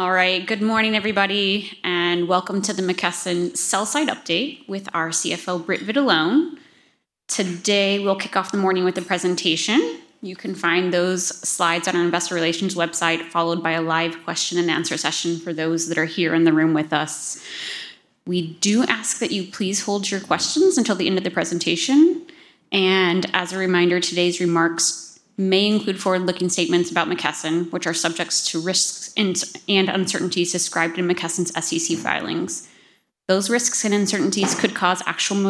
All right, good morning, everybody, and welcome to the McKesson Sell-Side Update with our CFO, Britt Vitalone. Today, we'll kick off the morning with a presentation. You can find those slides on our Investor Relations website, followed by a live question-and-answer session for those that are here in the room with us. We do ask that you please hold your questions until the end of the presentation. And as a reminder, today's remarks may include forward-looking statements about McKesson, which are subjects to risks and uncertainties described in McKesson's SEC filings. Those risks and uncertainties could cause actual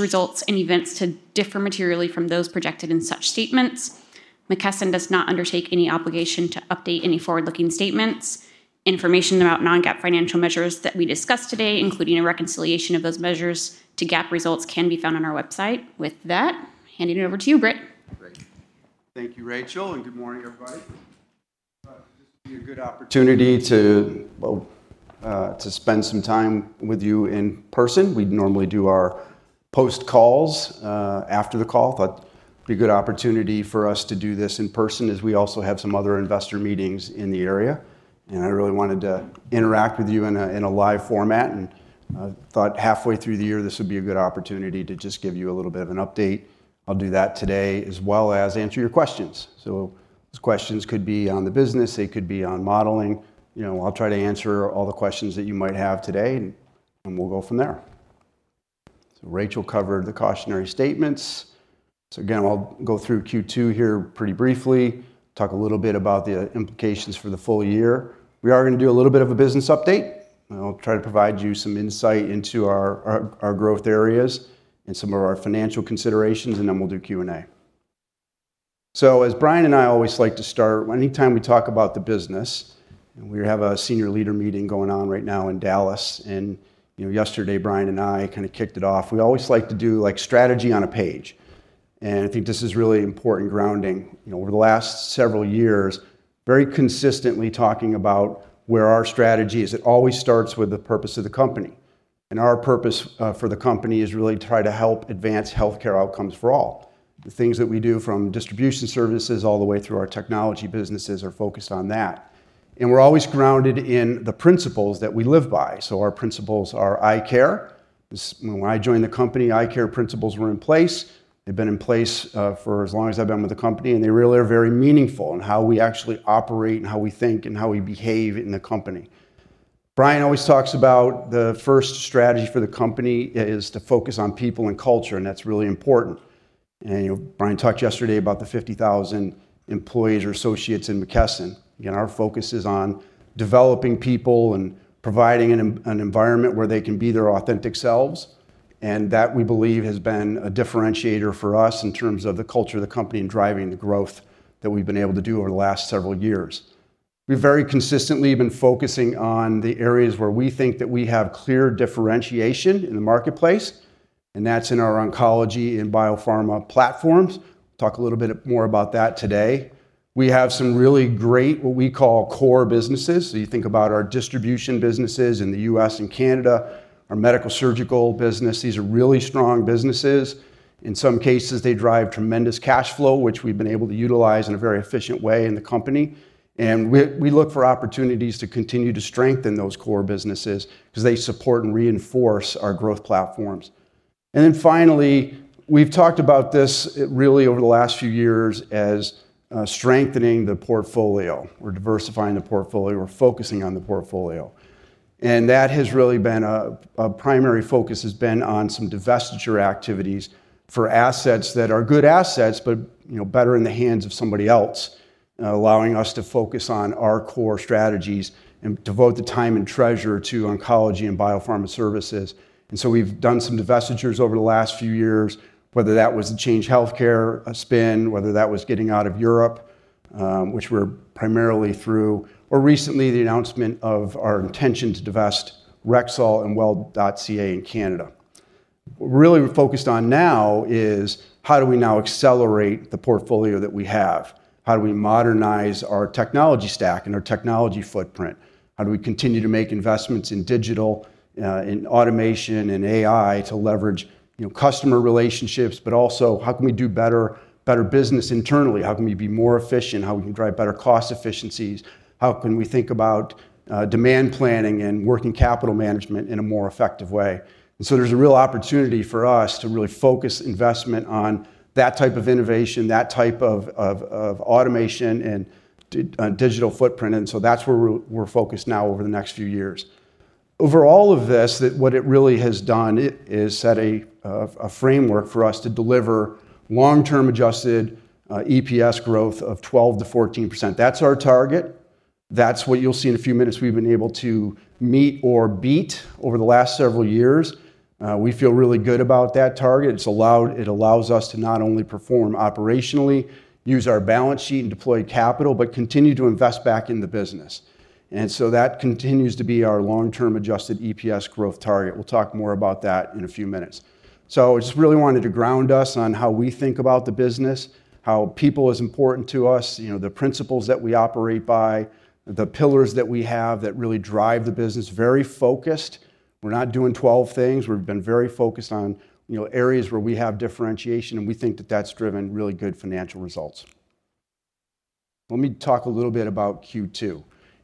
results and events to differ materially from those projected in such statements. McKesson does not undertake any obligation to update any forward-looking statements. Information about non-GAAP financial measures that we discussed today, including a reconciliation of those measures to GAAP results, can be found on our website. With that, handing it over to you, Britt. Great. Thank you, Rachel, and good morning, everybody. This will be a good opportunity to spend some time with you in person. We normally do our post-calls after the call. I thought it'd be a good opportunity for us to do this in person, as we also have some other investor meetings in the area. And I really wanted to interact with you in a live format, and I thought halfway through the year, this would be a good opportunity to just give you a little bit of an update. I'll do that today, as well as answer your questions. So those questions could be on the business, they could be on modeling. I'll try to answer all the questions that you might have today, and we'll go from there. So Rachel covered the cautionary statements. So again, I'll go through Q2 here pretty briefly, talk a little bit about the implications for the full year. We are going to do a little bit of a business update. I'll try to provide you some insight into our growth areas and some of our financial considerations, and then we'll do Q&A. So as Brian and I always like to start, anytime we talk about the business, we have a senior leader meeting going on right now in Dallas, and yesterday, Brian and I kind of kicked it off. We always like to do strategy on a page, and I think this is really important grounding. Over the last several years, very consistently talking about where our strategy is, it always starts with the purpose of the company, and our purpose for the company is really to try to help advance healthcare outcomes for all. The things that we do, from distribution services all the way through our technology businesses, are focused on that. We're always grounded in the principles that we live by. Our principles are ICARE. When I joined the company, ICARE principles were in place. They've been in place for as long as I've been with the company, and they really are very meaningful in how we actually operate, and how we think, and how we behave in the company. Brian always talks about the first strategy for the company is to focus on people and culture, and that's really important. Brian talked yesterday about the 50,000 employees or associates in McKesson. Again, our focus is on developing people and providing an environment where they can be their authentic selves. And that, we believe, has been a differentiator for us in terms of the culture of the company and driving the growth that we've been able to do over the last several years. We've very consistently been focusing on the areas where we think that we have clear differentiation in the marketplace, and that's in our oncology and biopharma platforms. We'll talk a little bit more about that today. We have some really great, what we call core businesses. So you think about our distribution businesses in the U.S. and Canada, our medical-surgical business. These are really strong businesses. In some cases, they drive tremendous cash flow, which we've been able to utilize in a very efficient way in the company. And we look for opportunities to continue to strengthen those core businesses because they support and reinforce our growth platforms. And then finally, we've talked about this really over the last few years as strengthening the portfolio. We're diversifying the portfolio. We're focusing on the portfolio. And that has really been a primary focus on some divestiture activities for assets that are good assets, but better in the hands of somebody else, allowing us to focus on our core strategies and devote the time and treasure to oncology and biopharma services. And so we've done some divestitures over the last few years, whether that was the Change Healthcare spin, whether that was getting out of Europe, which we're primarily through, or recently the announcement of our intention to divest Rexall and Well.ca in Canada. What we're really focused on now is how do we now accelerate the portfolio that we have? How do we modernize our technology stack and our technology footprint? How do we continue to make investments in digital, in automation, and AI to leverage customer relationships, but also how can we do better business internally? How can we be more efficient? How can we drive better cost efficiencies? How can we think about demand planning and working capital management in a more effective way? And so there's a real opportunity for us to really focus investment on that type of innovation, that type of automation and digital footprint. And so that's where we're focused now over the next few years. Over all of this, what it really has done is set a framework for us to deliver long-term adjusted EPS growth of 12%-14%. That's our target. That's what you'll see in a few minutes we've been able to meet or beat over the last several years. We feel really good about that target. It allows us to not only perform operationally, use our balance sheet and deploy capital, but continue to invest back in the business, and so that continues to be our long-term adjusted EPS growth target. We'll talk more about that in a few minutes, so I just really wanted to ground us on how we think about the business, how people are important to us, the principles that we operate by, the pillars that we have that really drive the business. Very focused. We're not doing 12 things. We've been very focused on areas where we have differentiation, and we think that that's driven really good financial results. Let me talk a little bit about Q2.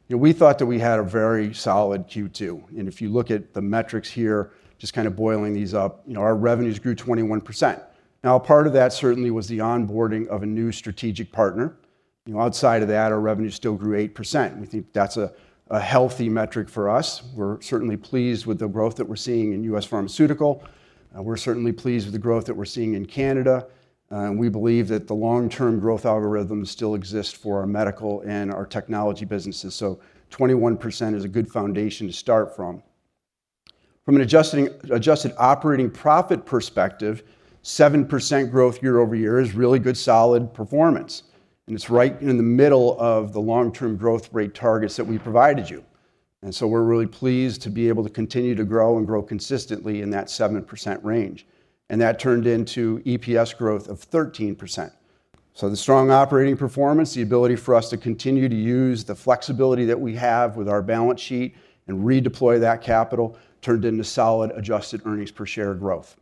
We thought that we had a very solid Q2, and if you look at the metrics here, just kind of boiling these up, our revenues grew 21%. Now, part of that certainly was the onboarding of a new strategic partner. Outside of that, our revenues still grew 8%. We think that's a healthy metric for us. We're certainly pleased with the growth that we're seeing in U.S. pharmaceutical. We're certainly pleased with the growth that we're seeing in Canada. We believe that the long-term growth algorithms still exist for our medical and our technology businesses. So 21% is a good foundation to start from. From an adjusted operating profit perspective, 7% growth year-over-year is really good solid performance. And it's right in the middle of the long-term growth rate targets that we provided you. And so we're really pleased to be able to continue to grow and grow consistently in that 7% range. And that turned into EPS growth of 13%. So the strong operating performance, the ability for us to continue to use the flexibility that we have with our balance sheet and redeploy that capital turned into solid adjusted earnings per share growth.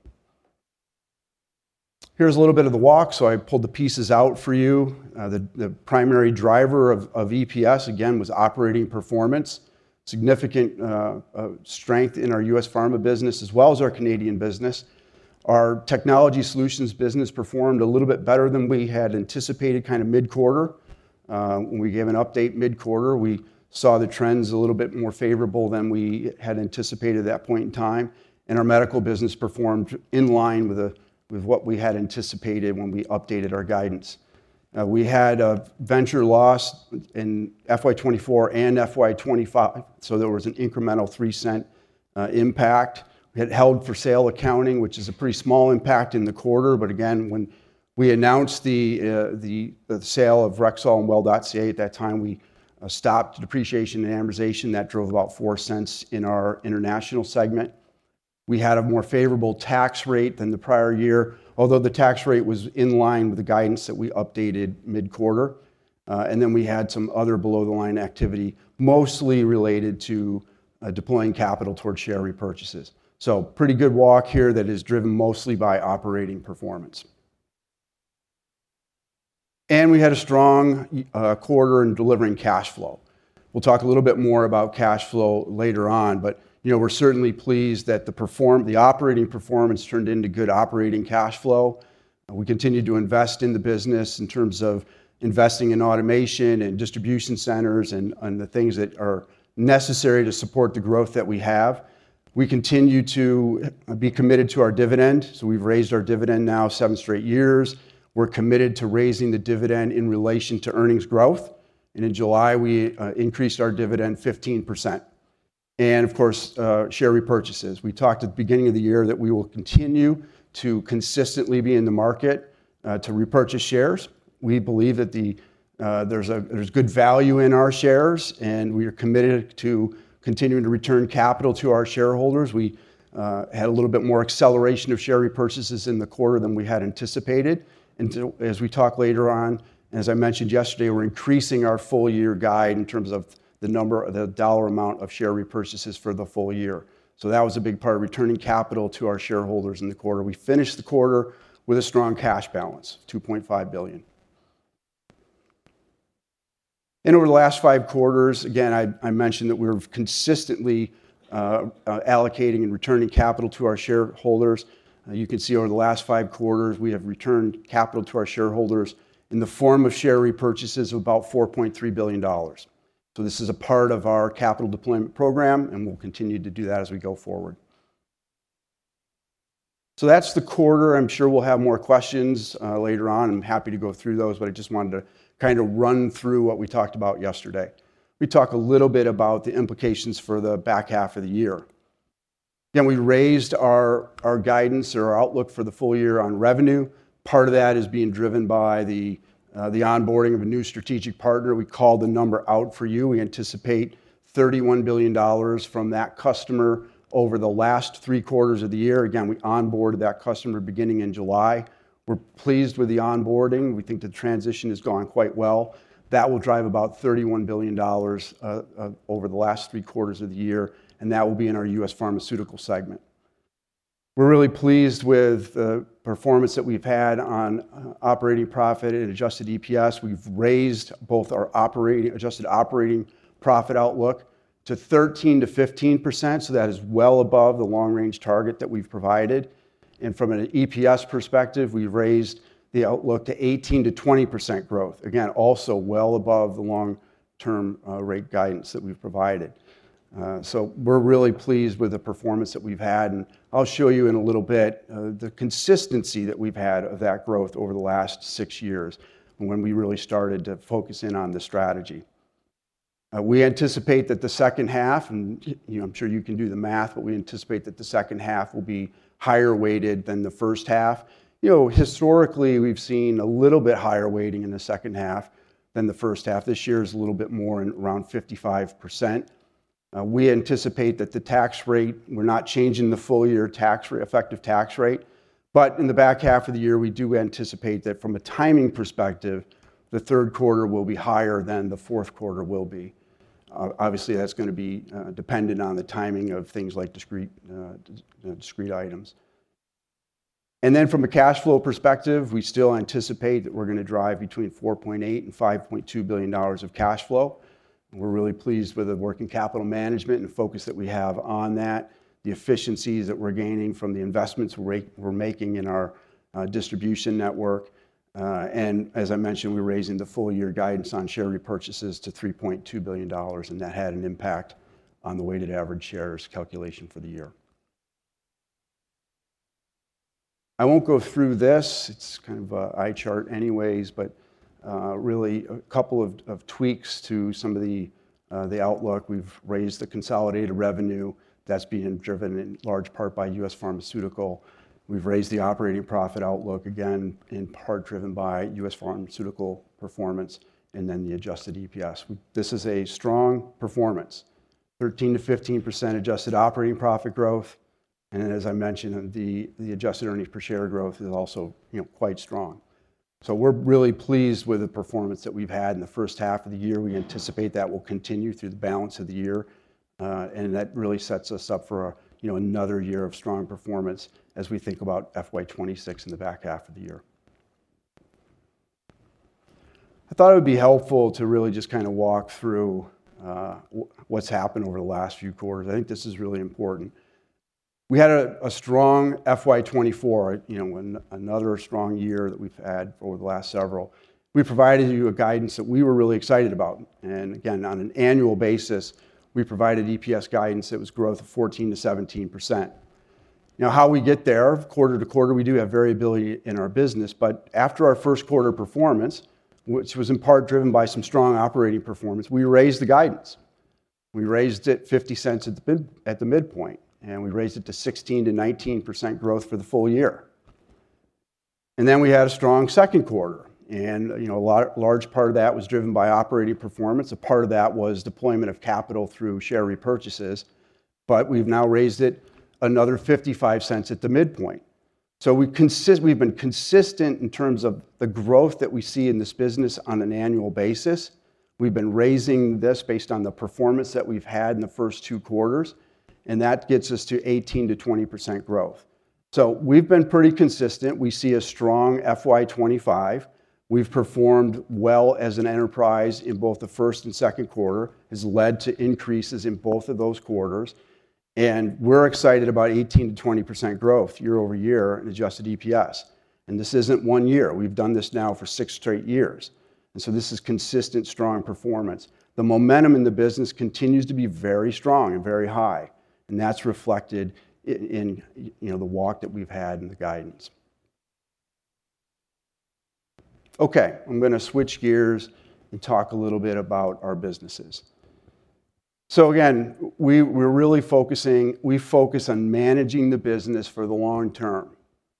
Here's a little bit of the walk. So I pulled the pieces out for you. The primary driver of EPS, again, was operating performance. Significant strength in our U.S. pharma business, as well as our Canadian business. Our technology solutions business performed a little bit better than we had anticipated kind of mid-quarter. When we gave an update mid-quarter, we saw the trends a little bit more favorable than we had anticipated at that point in time. And our medical business performed in line with what we had anticipated when we updated our guidance. We had a venture loss in FY 2024 and FY 2025. So there was an incremental 3% impact. We had held for sale accounting, which is a pretty small impact in the quarter, but again, when we announced the sale of Rexall and Well.ca at that time, we stopped depreciation and amortization. That drove about 4% in our international segment. We had a more favorable tax rate than the prior year, although the tax rate was in line with the guidance that we updated mid-quarter, and then we had some other below-the-line activity, mostly related to deploying capital towards share repurchases, so pretty good walk here that is driven mostly by operating performance, and we had a strong quarter in delivering cash flow. We'll talk a little bit more about cash flow later on, but we're certainly pleased that the operating performance turned into good operating cash flow. We continue to invest in the business in terms of investing in automation and distribution centers and the things that are necessary to support the growth that we have. We continue to be committed to our dividend. So we've raised our dividend now seven straight years. We're committed to raising the dividend in relation to earnings growth. And in July, we increased our dividend 15%. And of course, share repurchases. We talked at the beginning of the year that we will continue to consistently be in the market to repurchase shares. We believe that there's good value in our shares, and we are committed to continuing to return capital to our shareholders. We had a little bit more acceleration of share repurchases in the quarter than we had anticipated. As we talk later on, as I mentioned yesterday, we're increasing our full-year guide in terms of the dollar amount of share repurchases for the full year. That was a big part of returning capital to our shareholders in the quarter. We finished the quarter with a strong cash balance of $2.5 billion. Over the last five quarters, again, I mentioned that we were consistently allocating and returning capital to our shareholders. You can see over the last five quarters, we have returned capital to our shareholders in the form of share repurchases of about $4.3 billion. This is a part of our capital deployment program, and we'll continue to do that as we go forward. That's the quarter. I'm sure we'll have more questions later on. I'm happy to go through those, but I just wanted to kind of run through what we talked about yesterday. We talked a little bit about the implications for the back half of the year. Again, we raised our guidance or our outlook for the full year on revenue. Part of that is being driven by the onboarding of a new strategic partner. We called the number out for you. We anticipate $31 billion from that customer over the last three quarters of the year. Again, we onboarded that customer beginning in July. We're pleased with the onboarding. We think the transition has gone quite well. That will drive about $31 billion over the last three quarters of the year, and that will be in our U.S. pharmaceutical segment. We're really pleased with the performance that we've had on operating profit and adjusted EPS. We've raised both our adjusted operating profit outlook to 13%-15%. So that is well above the long-range target that we've provided. And from an EPS perspective, we've raised the outlook to 18%-20% growth. Again, also well above the long-term rate guidance that we've provided. So we're really pleased with the performance that we've had. And I'll show you in a little bit the consistency that we've had of that growth over the last six years when we really started to focus in on the strategy. We anticipate that the second half, and I'm sure you can do the math, but we anticipate that the second half will be higher weighted than the first half. Historically, we've seen a little bit higher weighting in the second half than the first half. This year is a little bit more in around 55%. We anticipate that the tax rate, we're not changing the full-year effective tax rate, but in the back half of the year, we do anticipate that from a timing perspective, the third quarter will be higher than the fourth quarter will be. Obviously, that's going to be dependent on the timing of things like discrete items, and then from a cash flow perspective, we still anticipate that we're going to drive between $4.8 billion and $5.2 billion of cash flow. We're really pleased with the working capital management and focus that we have on that, the efficiencies that we're gaining from the investments we're making in our distribution network, and as I mentioned, we're raising the full-year guidance on share repurchases to $3.2 billion, and that had an impact on the weighted average shares calculation for the year. I won't go through this. It's kind of an eye chart anyways, but really a couple of tweaks to some of the outlook. We've raised the consolidated revenue. That's being driven in large part by U.S. pharmaceutical. We've raised the operating profit outlook again, in part driven by U.S. pharmaceutical performance and then the adjusted EPS. This is a strong performance, 13% to 15% adjusted operating profit growth. And as I mentioned, the adjusted earnings per share growth is also quite strong. So we're really pleased with the performance that we've had in the first half of the year. We anticipate that will continue through the balance of the year. And that really sets us up for another year of strong performance as we think about FY 2026 in the back half of the year. I thought it would be helpful to really just kind of walk through what's happened over the last few quarters. I think this is really important. We had a strong FY 2024, another strong year that we've had over the last several. We provided you a guidance that we were really excited about. And again, on an annual basis, we provided EPS guidance that was growth of 14%-17%. Now, how we get there quarter to quarter, we do have variability in our business. But after our first quarter performance, which was in part driven by some strong operating performance, we raised the guidance. We raised it $0.50 at the midpoint, and we raised it to 16%-19% growth for the full year. And then we had a strong second quarter. And a large part of that was driven by operating performance. A part of that was deployment of capital through share repurchases. But we've now raised it another $0.55 at the midpoint. So we've been consistent in terms of the growth that we see in this business on an annual basis. We've been raising this based on the performance that we've had in the first two quarters. And that gets us to 18%-20% growth. So we've been pretty consistent. We see a strong FY 2025. We've performed well as an enterprise in both the first and second quarter. It has led to increases in both of those quarters. And we're excited about 18%-20% growth year-over-year in Adjusted EPS. And this isn't one year. We've done this now for six straight years. And so this is consistent, strong performance. The momentum in the business continues to be very strong and very high. And that's reflected in the walk that we've had and the guidance. Okay, I'm going to switch gears and talk a little bit about our businesses. So again, we're really focusing on managing the business for the long term.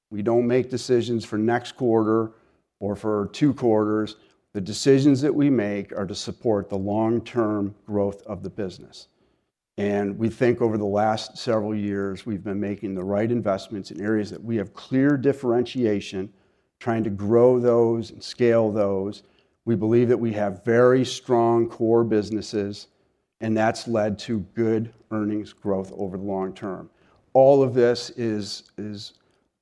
We don't make decisions for next quarter or for two quarters. The decisions that we make are to support the long-term growth of the business. And we think over the last several years, we've been making the right investments in areas that we have clear differentiation, trying to grow those and scale those. We believe that we have very strong core businesses, and that's led to good earnings growth over the long term. All of this is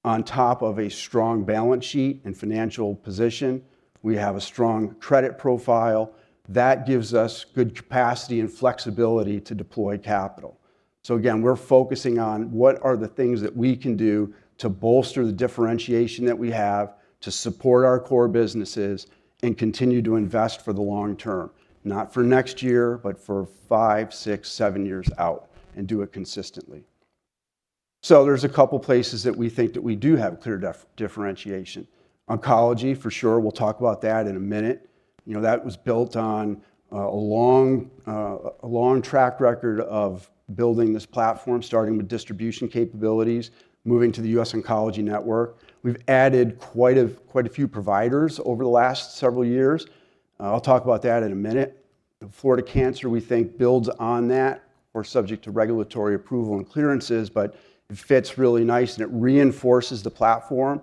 on top of a strong balance sheet and financial position. We have a strong credit profile. That gives us good capacity and flexibility to deploy capital. So again, we're focusing on what are the things that we can do to bolster the differentiation that we have to support our core businesses and continue to invest for the long term, not for next year, but for five, six, seven years out and do it consistently. So there's a couple of places that we think that we do have clear differentiation. Oncology, for sure. We'll talk about that in a minute. That was built on a long track record of building this platform, starting with distribution capabilities, moving to the US Oncology Network. We've added quite a few providers over the last several years. I'll talk about that in a minute. Florida Cancer, we think, builds on that. We're subject to regulatory approval and clearances, but it fits really nice and it reinforces the platform.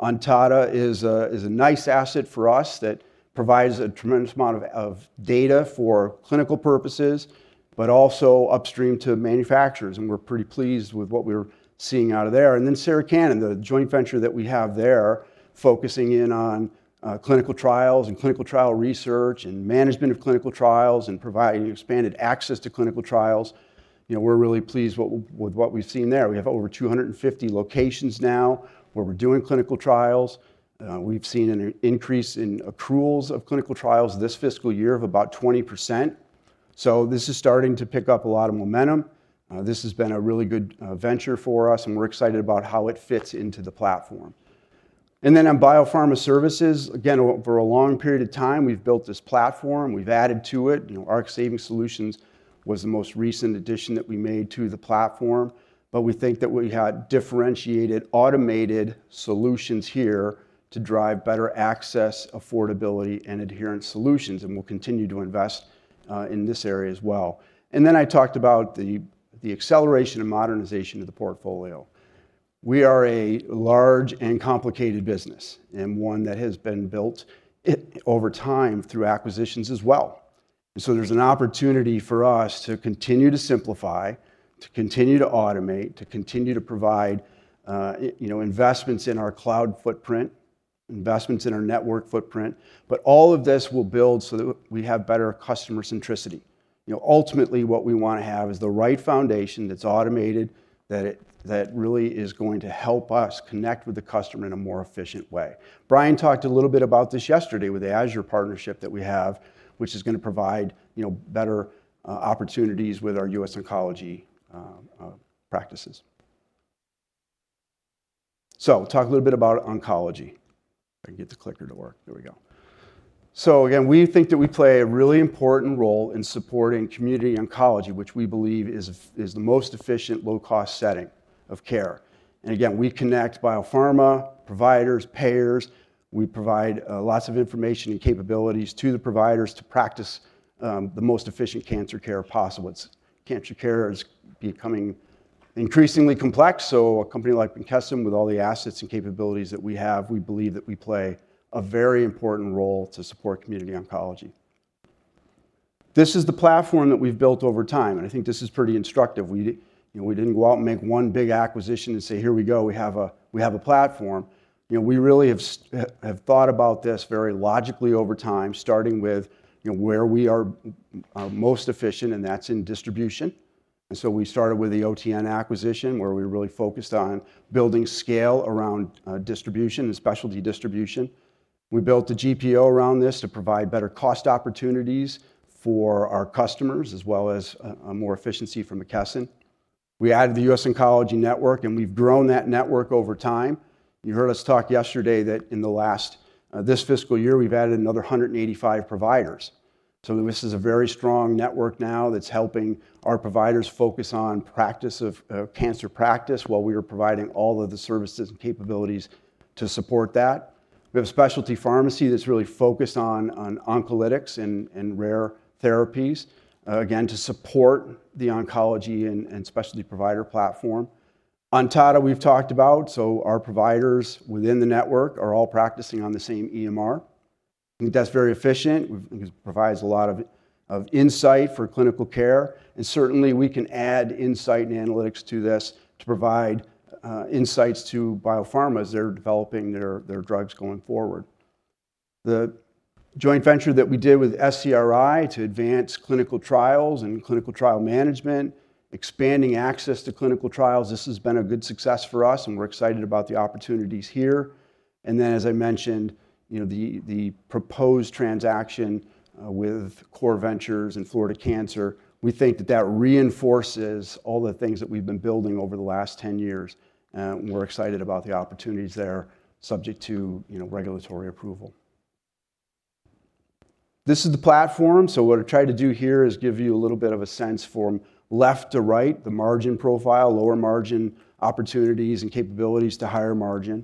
Ontada is a nice asset for us that provides a tremendous amount of data for clinical purposes, but also upstream to manufacturers. We're pretty pleased with what we're seeing out of there. Sarah Cannon, the joint venture that we have there, focuses on clinical trials and clinical trial research and management of clinical trials and providing expanded access to clinical trials. We're really pleased with what we've seen there. We have over 250 locations now where we're doing clinical trials. We've seen an increase in accruals of clinical trials this fiscal year of about 20%. This is starting to pick up a lot of momentum. This has been a really good venture for us, and we're excited about how it fits into the platform. On biopharma services, again, over a long period of time, we've built this platform. We've added to it. Rx Savings Solutions was the most recent addition that we made to the platform. But we think that we had differentiated automated solutions here to drive better access, affordability, and adherence solutions. And we'll continue to invest in this area as well. And then I talked about the acceleration and modernization of the portfolio. We are a large and complicated business and one that has been built over time through acquisitions as well. And so there's an opportunity for us to continue to simplify, to continue to automate, to continue to provide investments in our cloud footprint, investments in our network footprint. But all of this will build so that we have better customer centricity. Ultimately, what we want to have is the right foundation that's automated, that really is going to help us connect with the customer in a more efficient way. Brian talked a little bit about this yesterday with the Azure partnership that we have, which is going to provide better opportunities with our US Oncology practices, so we'll talk a little bit about oncology. I can get the clicker to work. There we go, so again, we think that we play a really important role in supporting community oncology, which we believe is the most efficient, low-cost setting of care, and again, we connect biopharma providers, payers. We provide lots of information and capabilities to the providers to practice the most efficient cancer care possible. Cancer care is becoming increasingly complex, so a company like McKesson, with all the assets and capabilities that we have, we believe that we play a very important role to support community oncology. This is the platform that we've built over time, and I think this is pretty instructive. We didn't go out and make one big acquisition and say, "Here we go. We have a platform." We really have thought about this very logically over time, starting with where we are most efficient, and that's in distribution. And so we started with the OTN acquisition, where we really focused on building scale around distribution and specialty distribution. We built the GPO around this to provide better cost opportunities for our customers, as well as more efficiency for McKesson. We added the US Oncology Network, and we've grown that network over time. You heard us talk yesterday that in this fiscal year, we've added another 185 providers. So this is a very strong network now that's helping our providers focus on cancer practice while we are providing all of the services and capabilities to support that. We have a specialty pharmacy that's really focused on oncolytics and rare therapies, again, to support the oncology and specialty provider platform. Ontada we've talked about. So our providers within the network are all practicing on the same EMR. I think that's very efficient. It provides a lot of insight for clinical care. And certainly, we can add insight and analytics to this to provide insights to biopharmas that are developing their drugs going forward. The joint venture that we did with SCRI to advance clinical trials and clinical trial management, expanding access to clinical trials, this has been a good success for us, and we're excited about the opportunities here. And then, as I mentioned, the proposed transaction with Core Ventures and Florida Cancer Specialists, we think that reinforces all the things that we've been building over the last 10 years. And we're excited about the opportunities there, subject to regulatory approval. This is the platform. So what I tried to do here is give you a little bit of a sense from left to right, the margin profile, lower margin opportunities and capabilities to higher margin.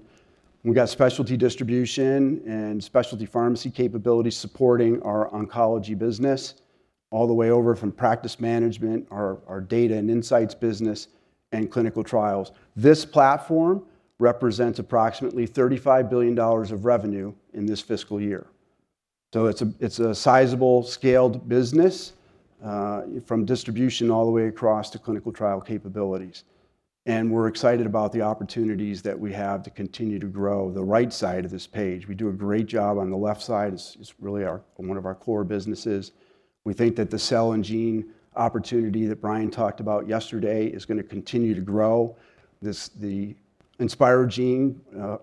We've got specialty distribution and specialty pharmacy capabilities supporting our oncology business, all the way over from practice management, our data and insights business, and clinical trials. This platform represents approximately $35 billion of revenue in this fiscal year. So it's a sizable scaled business from distribution all the way across to clinical trial capabilities. And we're excited about the opportunities that we have to continue to grow the right side of this page. We do a great job on the left side. It's really one of our core businesses. We think that the cell and gene opportunity that Brian talked about yesterday is going to continue to grow. The Inspira gene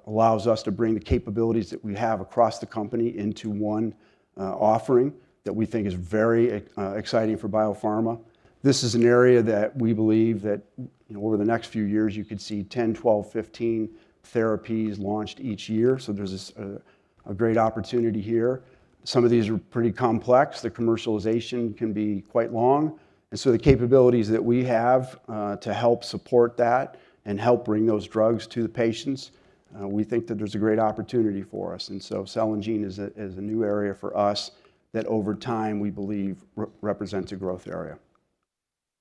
allows us to bring the capabilities that we have across the company into one offering that we think is very exciting for biopharma. This is an area that we believe that over the next few years, you could see 10, 12, 15 therapies launched each year, so there's a great opportunity here. Some of these are pretty complex. The commercialization can be quite long, and so the capabilities that we have to help support that and help bring those drugs to the patients, we think that there's a great opportunity for us, and so cell and gene is a new area for us that over time, we believe, represents a growth area.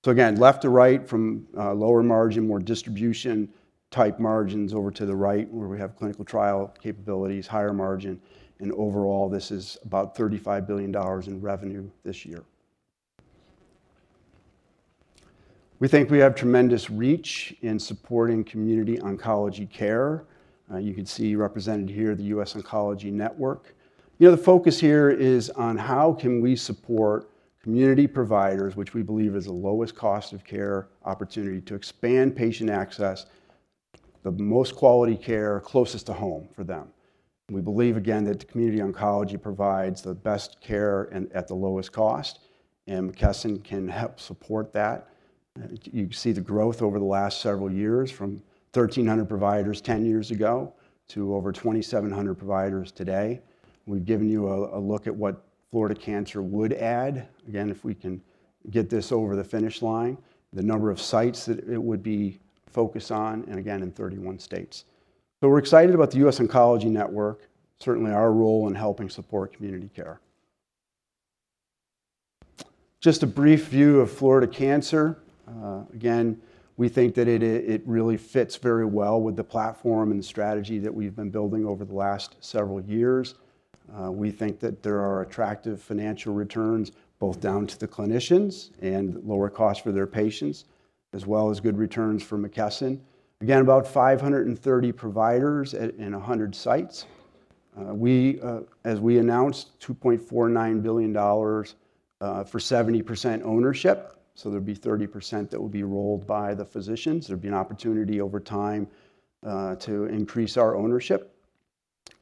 So again, left to right from lower margin, more distribution-type margins over to the right, where we have clinical trial capabilities, higher margin. And overall, this is about $35 billion in revenue this year. We think we have tremendous reach in supporting community oncology care. You can see represented here the US Oncology Network. The focus here is on how can we support community providers, which we believe is the lowest cost of care opportunity to expand patient access, the most quality care closest to home for them. We believe, again, that community oncology provides the best care at the lowest cost. And McKesson can help support that. You can see the growth over the last several years from 1,300 providers 10 years ago to over 2,700 providers today. We've given you a look at what Florida Cancer would add. Again, if we can get this over the finish line, the number of sites that it would be focused on, and again, in 31 states. We're excited about the US Oncology Network, certainly our role in helping support community care. Just a brief view of Florida Cancer Specialists. Again, we think that it really fits very well with the platform and the strategy that we've been building over the last several years. We think that there are attractive financial returns both down to the clinicians and lower costs for their patients, as well as good returns for McKesson. Again, about 530 providers in 100 sites. As we announced, $2.49 billion for 70% ownership. So there'll be 30% that will be rolled by the physicians. There'll be an opportunity over time to increase our ownership.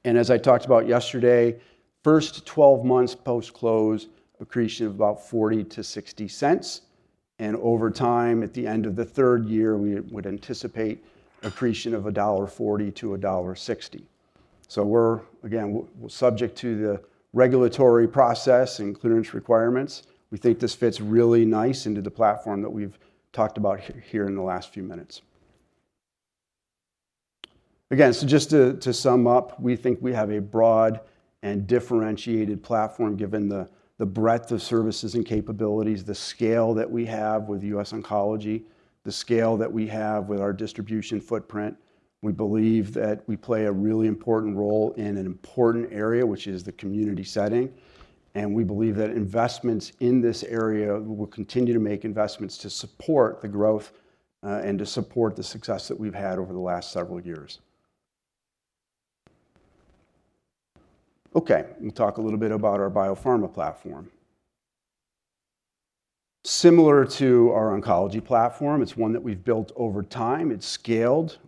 As I talked about yesterday, first 12 months post-close, accretion of about $0.40-$0.60. Over time, at the end of the third year, we would anticipate accretion of $1.40-$1.60. We're, again, subject to the regulatory process and clearance requirements. We think this fits really nice into the platform that we've talked about here in the last few minutes. Again, so just to sum up, we think we have a broad and differentiated platform given the breadth of services and capabilities, the scale that we have with US Oncology, the scale that we have with our distribution footprint. We believe that we play a really important role in an important area, which is the community setting. And we believe that investments in this area will continue to make investments to support the growth and to support the success that we've had over the last several years. Okay, we'll talk a little bit about our biopharma platform. Similar to our oncology platform, it's one that we've built over time. It's scaled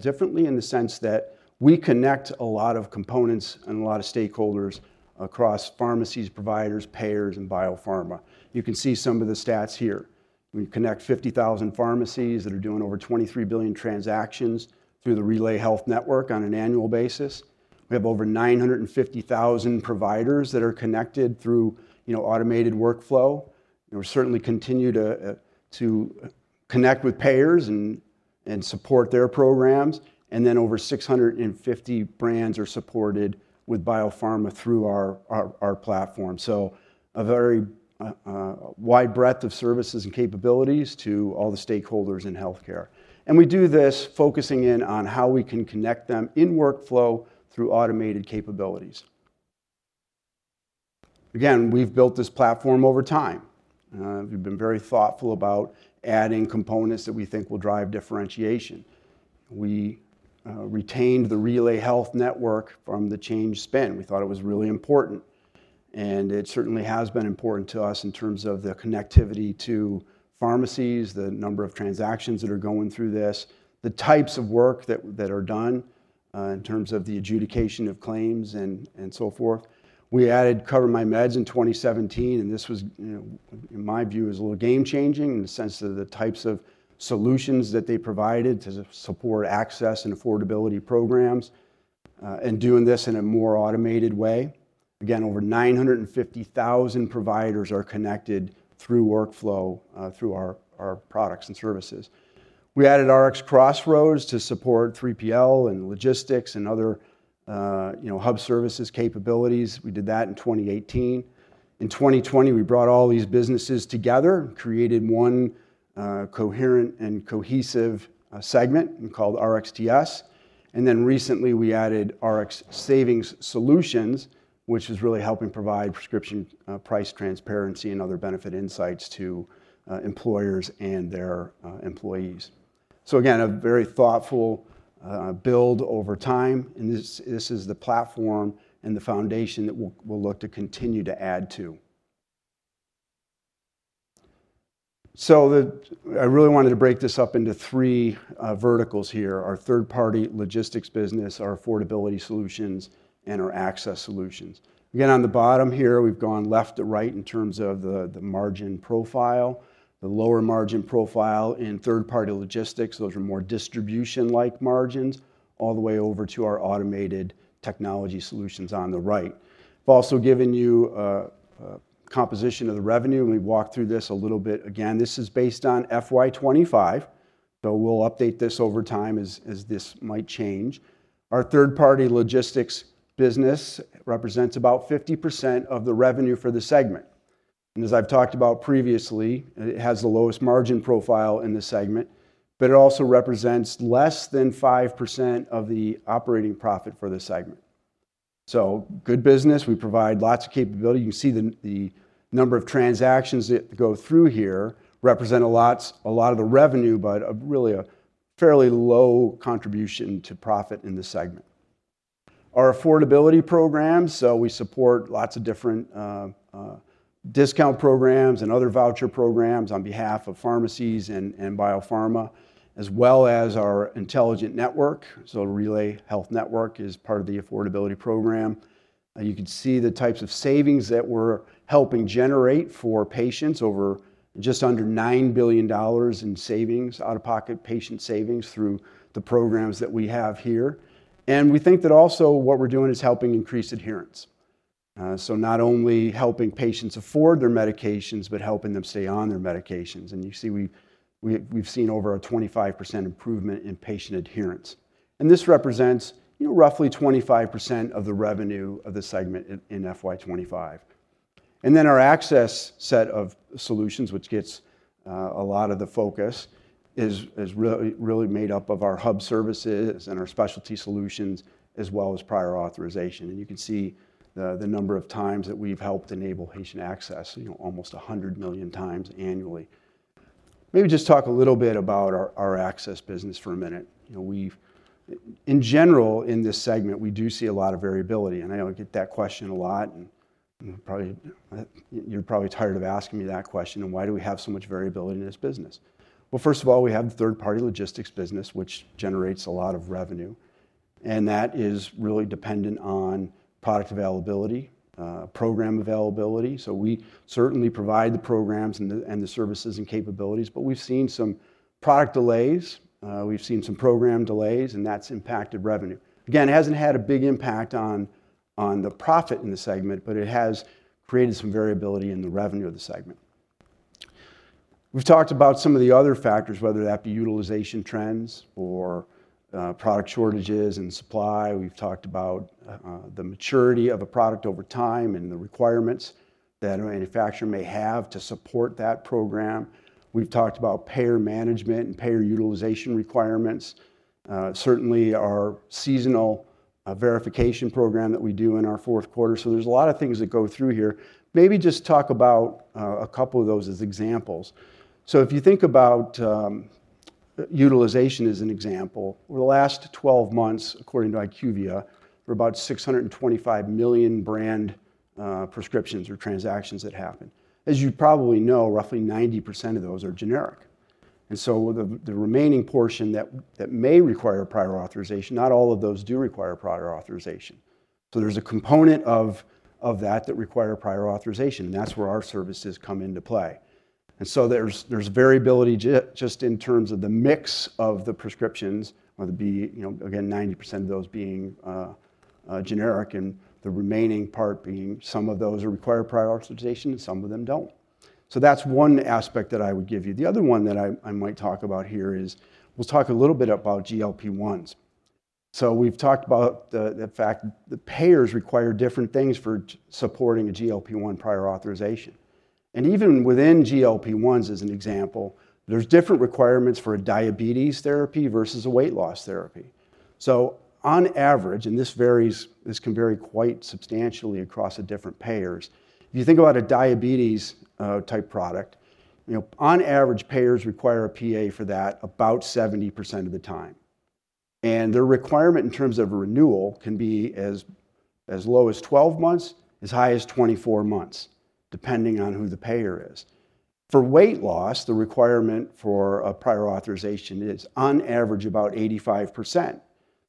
differently in the sense that we connect a lot of components and a lot of stakeholders across pharmacies, providers, payers, and biopharma. You can see some of the stats here. We connect 50,000 pharmacies that are doing over 23 billion transactions through the RelayHealth Network on an annual basis. We have over 950,000 providers that are connected through automated workflow. We certainly continue to connect with payers and support their programs. And then over 650 brands are supported with biopharma through our platform. So a very wide breadth of services and capabilities to all the stakeholders in healthcare. And we do this focusing in on how we can connect them in workflow through automated capabilities. Again, we've built this platform over time. We've been very thoughtful about adding components that we think will drive differentiation. We retained the RelayHealth Network from the Change spin. We thought it was really important. And it certainly has been important to us in terms of the connectivity to pharmacies, the number of transactions that are going through this, the types of work that are done in terms of the adjudication of claims and so forth. We added CoverMyMeds in 2017. And this was, in my view, a little game-changing in the sense of the types of solutions that they provided to support access and affordability programs and doing this in a more automated way. Again, over 950,000 providers are connected through workflow through our products and services. We added RxCrossroads to support 3PL and logistics and other hub services capabilities. We did that in 2018. In 2020, we brought all these businesses together, created one coherent and cohesive segment called RxTS. And then recently, we added Rx Savings Solutions, which is really helping provide prescription price transparency and other benefit insights to employers and their employees. So again, a very thoughtful build over time. And this is the platform and the foundation that we'll look to continue to add to. So I really wanted to break this up into three verticals here: our third-party logistics business, our affordability solutions, and our access solutions. Again, on the bottom here, we've gone left to right in terms of the margin profile. The lower margin profile in third-party logistics, those are more distribution-like margins, all the way over to our automated technology solutions on the right. I've also given you a composition of the revenue. We walked through this a little bit. Again, this is based on FY 2025. So we'll update this over time as this might change. Our third-party logistics business represents about 50% of the revenue for the segment. And as I've talked about previously, it has the lowest margin profile in the segment, but it also represents less than 5% of the operating profit for the segment. So good business. We provide lots of capability. You can see the number of transactions that go through here represent a lot of the revenue, but really a fairly low contribution to profit in the segment. Our affordability programs. We support lots of different discount programs and other voucher programs on behalf of pharmacies and biopharma, as well as our intelligent network. RelayHealth Network is part of the affordability program. You can see the types of savings that we're helping generate for patients over just under $9 billion in savings, out-of-pocket patient savings through the programs that we have here. We think that also what we're doing is helping increase adherence. Not only helping patients afford their medications, but helping them stay on their medications. You see we've seen over a 25% improvement in patient adherence. This represents roughly 25% of the revenue of the segment in FY2025. Our access set of solutions, which gets a lot of the focus, is really made up of our hub services and our specialty solutions, as well as prior authorization. You can see the number of times that we've helped enable patient access, almost 100 million times annually. Maybe just talk a little bit about our access business for a minute. In general, in this segment, we do see a lot of variability. I get that question a lot. You're probably tired of asking me that question. Why do we have so much variability in this business? First of all, we have the third-party logistics business, which generates a lot of revenue. That is really dependent on product availability, program availability. We certainly provide the programs and the services and capabilities. But we've seen some product delays. We've seen some program delays, and that's impacted revenue. Again, it hasn't had a big impact on the profit in the segment, but it has created some variability in the revenue of the segment. We've talked about some of the other factors, whether that be utilization trends or product shortages in supply. We've talked about the maturity of a product over time and the requirements that a manufacturer may have to support that program. We've talked about payer management and payer utilization requirements. Certainly, our seasonal verification program that we do in our fourth quarter. So there's a lot of things that go through here. Maybe just talk about a couple of those as examples. So if you think about utilization as an example, over the last 12 months, according to IQVIA, for about 625 million brand prescriptions or transactions that happen. As you probably know, roughly 90% of those are generic. And so the remaining portion that may require prior authorization, not all of those do require prior authorization. So there's a component of that that require prior authorization. That's where our services come into play. So there's variability just in terms of the mix of the prescriptions, whether it be, again, 90% of those being generic and the remaining part being some of those require prior authorization and some of them don't. That's one aspect that I would give you. The other one that I might talk about here is we'll talk a little bit about GLP-1s. We've talked about the fact that payers require different things for supporting a GLP-1 prior authorization. Even within GLP-1s, as an example, there's different requirements for a diabetes therapy versus a weight loss therapy. On average, and this can vary quite substantially across different payers. If you think about a diabetes-type product, on average, payers require a PA for that about 70% of the time. And their requirement in terms of renewal can be as low as 12 months, as high as 24 months, depending on who the payer is. For weight loss, the requirement for prior authorization is, on average, about 85%.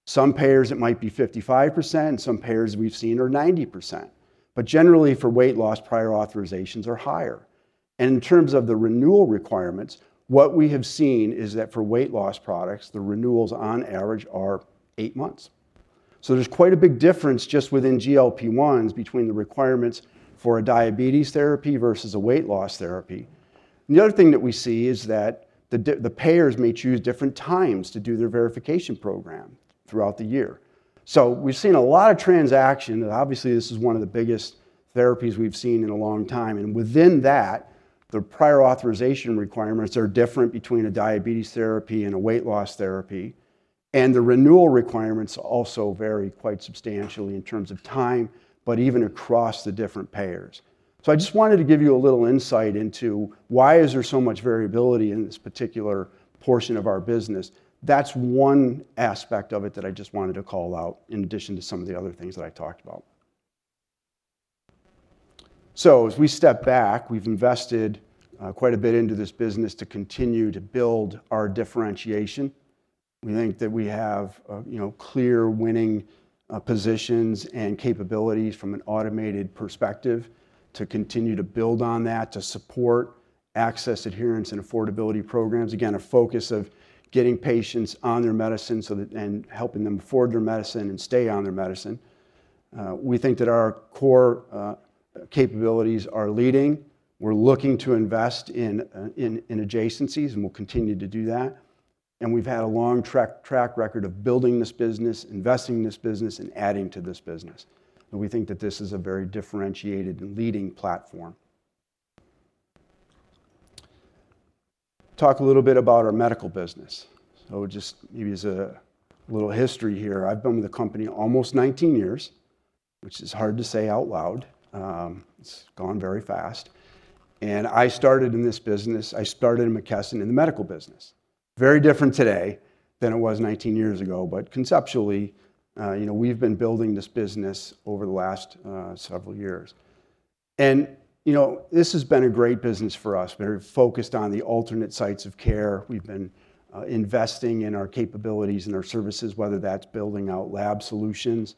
Some payers, it might be 55%. Some payers we've seen are 90%. But generally, for weight loss, prior authorizations are higher. And in terms of the renewal requirements, what we have seen is that for weight loss products, the renewals on average are eight months. So there's quite a big difference just within GLP-1s between the requirements for a diabetes therapy versus a weight loss therapy. The other thing that we see is that the payers may choose different times to do their verification program throughout the year. So we've seen a lot of transaction. Obviously, this is one of the biggest therapies we've seen in a long time. And within that, the prior authorization requirements are different between a diabetes therapy and a weight loss therapy. And the renewal requirements also vary quite substantially in terms of time, but even across the different payers. So I just wanted to give you a little insight into why is there so much variability in this particular portion of our business? That's one aspect of it that I just wanted to call out in addition to some of the other things that I talked about. So as we step back, we've invested quite a bit into this business to continue to build our differentiation. We think that we have clear winning positions and capabilities from an automated perspective to continue to build on that to support access, adherence, and affordability programs. Again, a focus of getting patients on their medicine and helping them afford their medicine and stay on their medicine. We think that our core capabilities are leading. We're looking to invest in adjacencies, and we'll continue to do that. We've had a long track record of building this business, investing in this business, and adding to this business. We think that this is a very differentiated and leading platform. Talk a little bit about our medical business. Just maybe as a little history here, I've been with the company almost 19 years, which is hard to say out loud. It's gone very fast. I started in this business. I started in McKesson in the medical business. Very different today than it was 19 years ago, but conceptually, we've been building this business over the last several years. This has been a great business for us, very focused on the alternate sites of care. We've been investing in our capabilities and our services, whether that's building out lab solutions.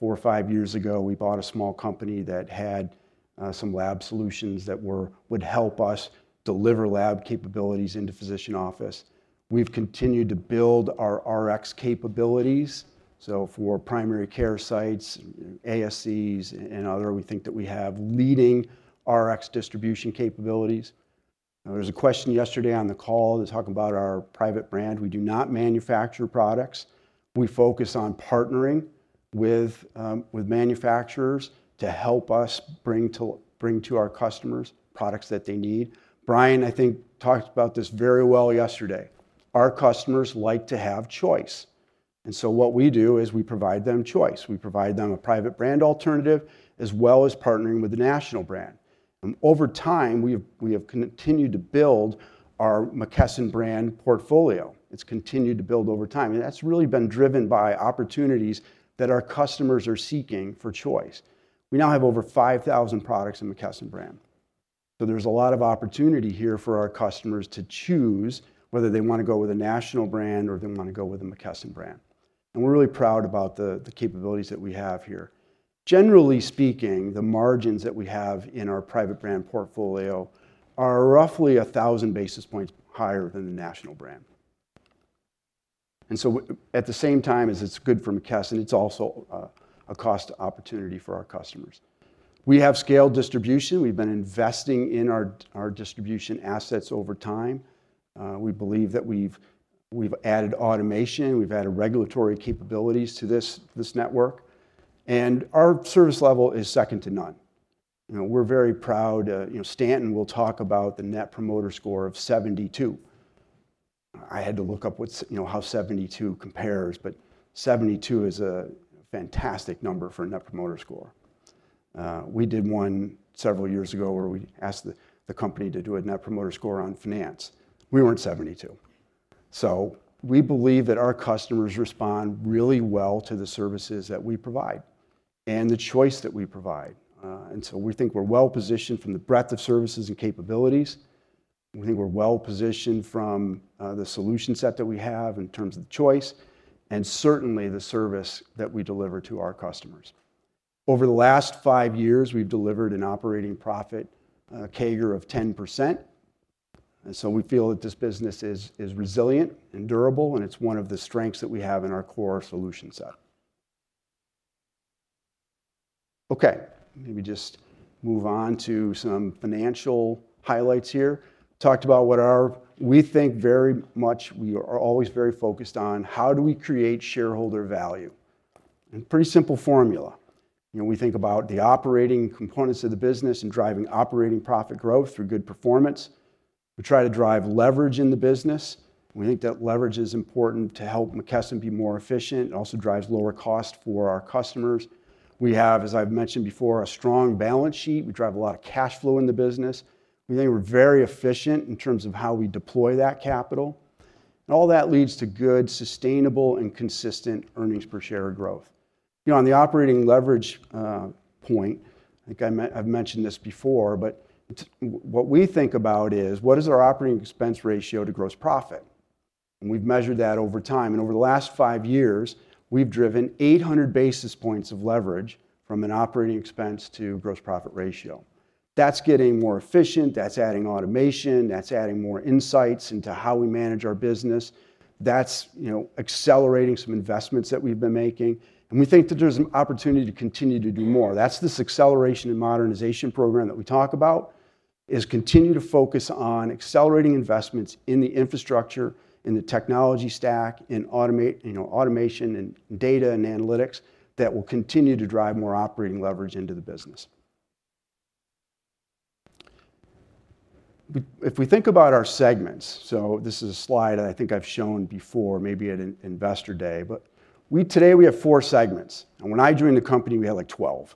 Four or five years ago, we bought a small company that had some lab solutions that would help us deliver lab capabilities into physician office. We've continued to build our Rx capabilities, so for primary care sites, ASCs and other, we think that we have leading Rx distribution capabilities. There was a question yesterday on the call talking about our private brand. We do not manufacture products. We focus on partnering with manufacturers to help us bring to our customers products that they need. Brian, I think, talked about this very well yesterday. Our customers like to have choice, and so what we do is we provide them choice. We provide them a private brand alternative as well as partnering with the national brand. Over time, we have continued to build our McKesson brand portfolio. It's continued to build over time, and that's really been driven by opportunities that our customers are seeking for choice. We now have over 5,000 products in McKesson Brand. So there's a lot of opportunity here for our customers to choose whether they want to go with a national brand or they want to go with a McKesson Brand, and we're really proud about the capabilities that we have here. Generally speaking, the margins that we have in our private brand portfolio are roughly 1,000 basis points higher than the national brand, and so at the same time, it's good for McKesson. It's also a cost opportunity for our customers. We have scaled distribution. We've been investing in our distribution assets over time. We believe that we've added automation. We've added regulatory capabilities to this network, and our service level is second to none. We're very proud. Stanton will talk about the Net Promoter Score of 72. I had to look up how 72 compares, but 72 is a fantastic number for a Net Promoter Score. We did one several years ago where we asked the company to do a Net Promoter Score on finance. We weren't 72. So we believe that our customers respond really well to the services that we provide and the choice that we provide. And so we think we're well positioned from the breadth of services and capabilities. We think we're well positioned from the solution set that we have in terms of the choice and certainly the service that we deliver to our customers. Over the last five years, we've delivered an operating profit CAGR of 10%. And so we feel that this business is resilient and durable, and it's one of the strengths that we have in our core solution set. Okay. Maybe just move on to some financial highlights here. Talked about what we think very much we are always very focused on how do we create shareholder value. And pretty simple formula. We think about the operating components of the business and driving operating profit growth through good performance. We try to drive leverage in the business. We think that leverage is important to help McKesson be more efficient and also drives lower cost for our customers. We have, as I've mentioned before, a strong balance sheet. We drive a lot of cash flow in the business. We think we're very efficient in terms of how we deploy that capital. And all that leads to good, sustainable, and consistent earnings per share growth. On the operating leverage point, I think I've mentioned this before, but what we think about is what is our operating expense ratio to gross profit. And we've measured that over time. And over the last five years, we've driven 800 basis points of leverage from an operating expense to gross profit ratio. That's getting more efficient. That's adding automation. That's adding more insights into how we manage our business. That's accelerating some investments that we've been making. And we think that there's an opportunity to continue to do more. That's this acceleration and modernization program that we talk about is continue to focus on accelerating investments in the infrastructure, in the technology stack, in automation and data and analytics that will continue to drive more operating leverage into the business. If we think about our segments, so this is a slide I think I've shown before maybe at an Investor Day, but today we have four segments. And when I joined the company, we had like 12.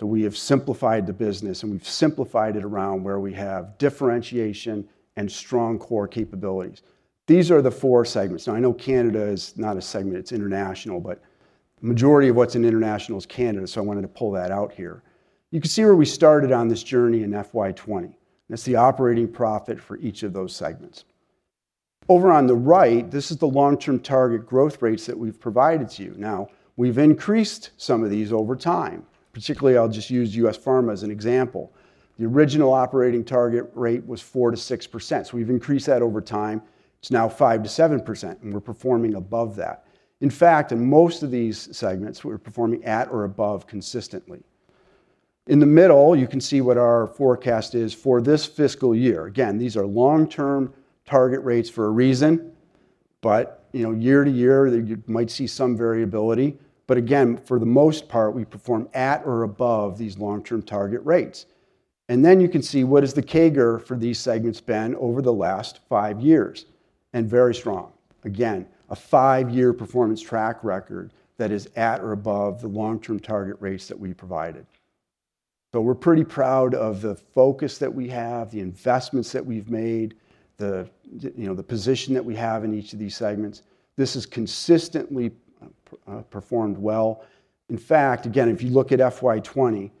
So we have simplified the business, and we've simplified it around where we have differentiation and strong core capabilities. These are the four segments. Now, I know Canada is not a segment. It's international, but the majority of what's in international is Canada. So I wanted to pull that out here. You can see where we started on this journey in FY 2020. That's the operating profit for each of those segments. Over on the right, this is the long-term target growth rates that we've provided to you. Now, we've increased some of these over time. Particularly, I'll just use U.S. Pharma as an example. The original operating target rate was 4%-6%. We've increased that over time. It's now 5%-7%, and we're performing above that. In fact, in most of these segments, we're performing at or above consistently. In the middle, you can see what our forecast is for this fiscal year. Again, these are long-term target rates for a reason, but year to year, you might see some variability. Again, for the most part, we perform at or above these long-term target rates. You can see what has the CAGR for these segments been over the last five years and very strong. Again, a five-year performance track record that is at or above the long-term target rates that we provided. We're pretty proud of the focus that we have, the investments that we've made, the position that we have in each of these segments. This has consistently performed well. In fact, again, if you look at FY 2020,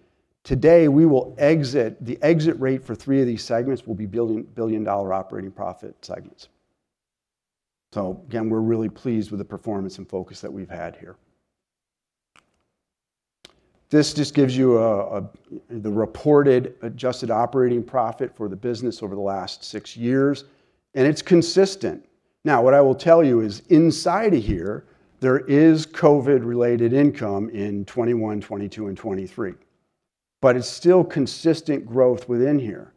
today, the exit rate for three of these segments will be billion-dollar operating profit segments. So again, we're really pleased with the performance and focus that we've had here. This just gives you the reported adjusted operating profit for the business over the last six years, and it's consistent. Now, what I will tell you is inside of here, there is COVID-related income in 2021, 2022, and 2023, but it's still consistent growth within here.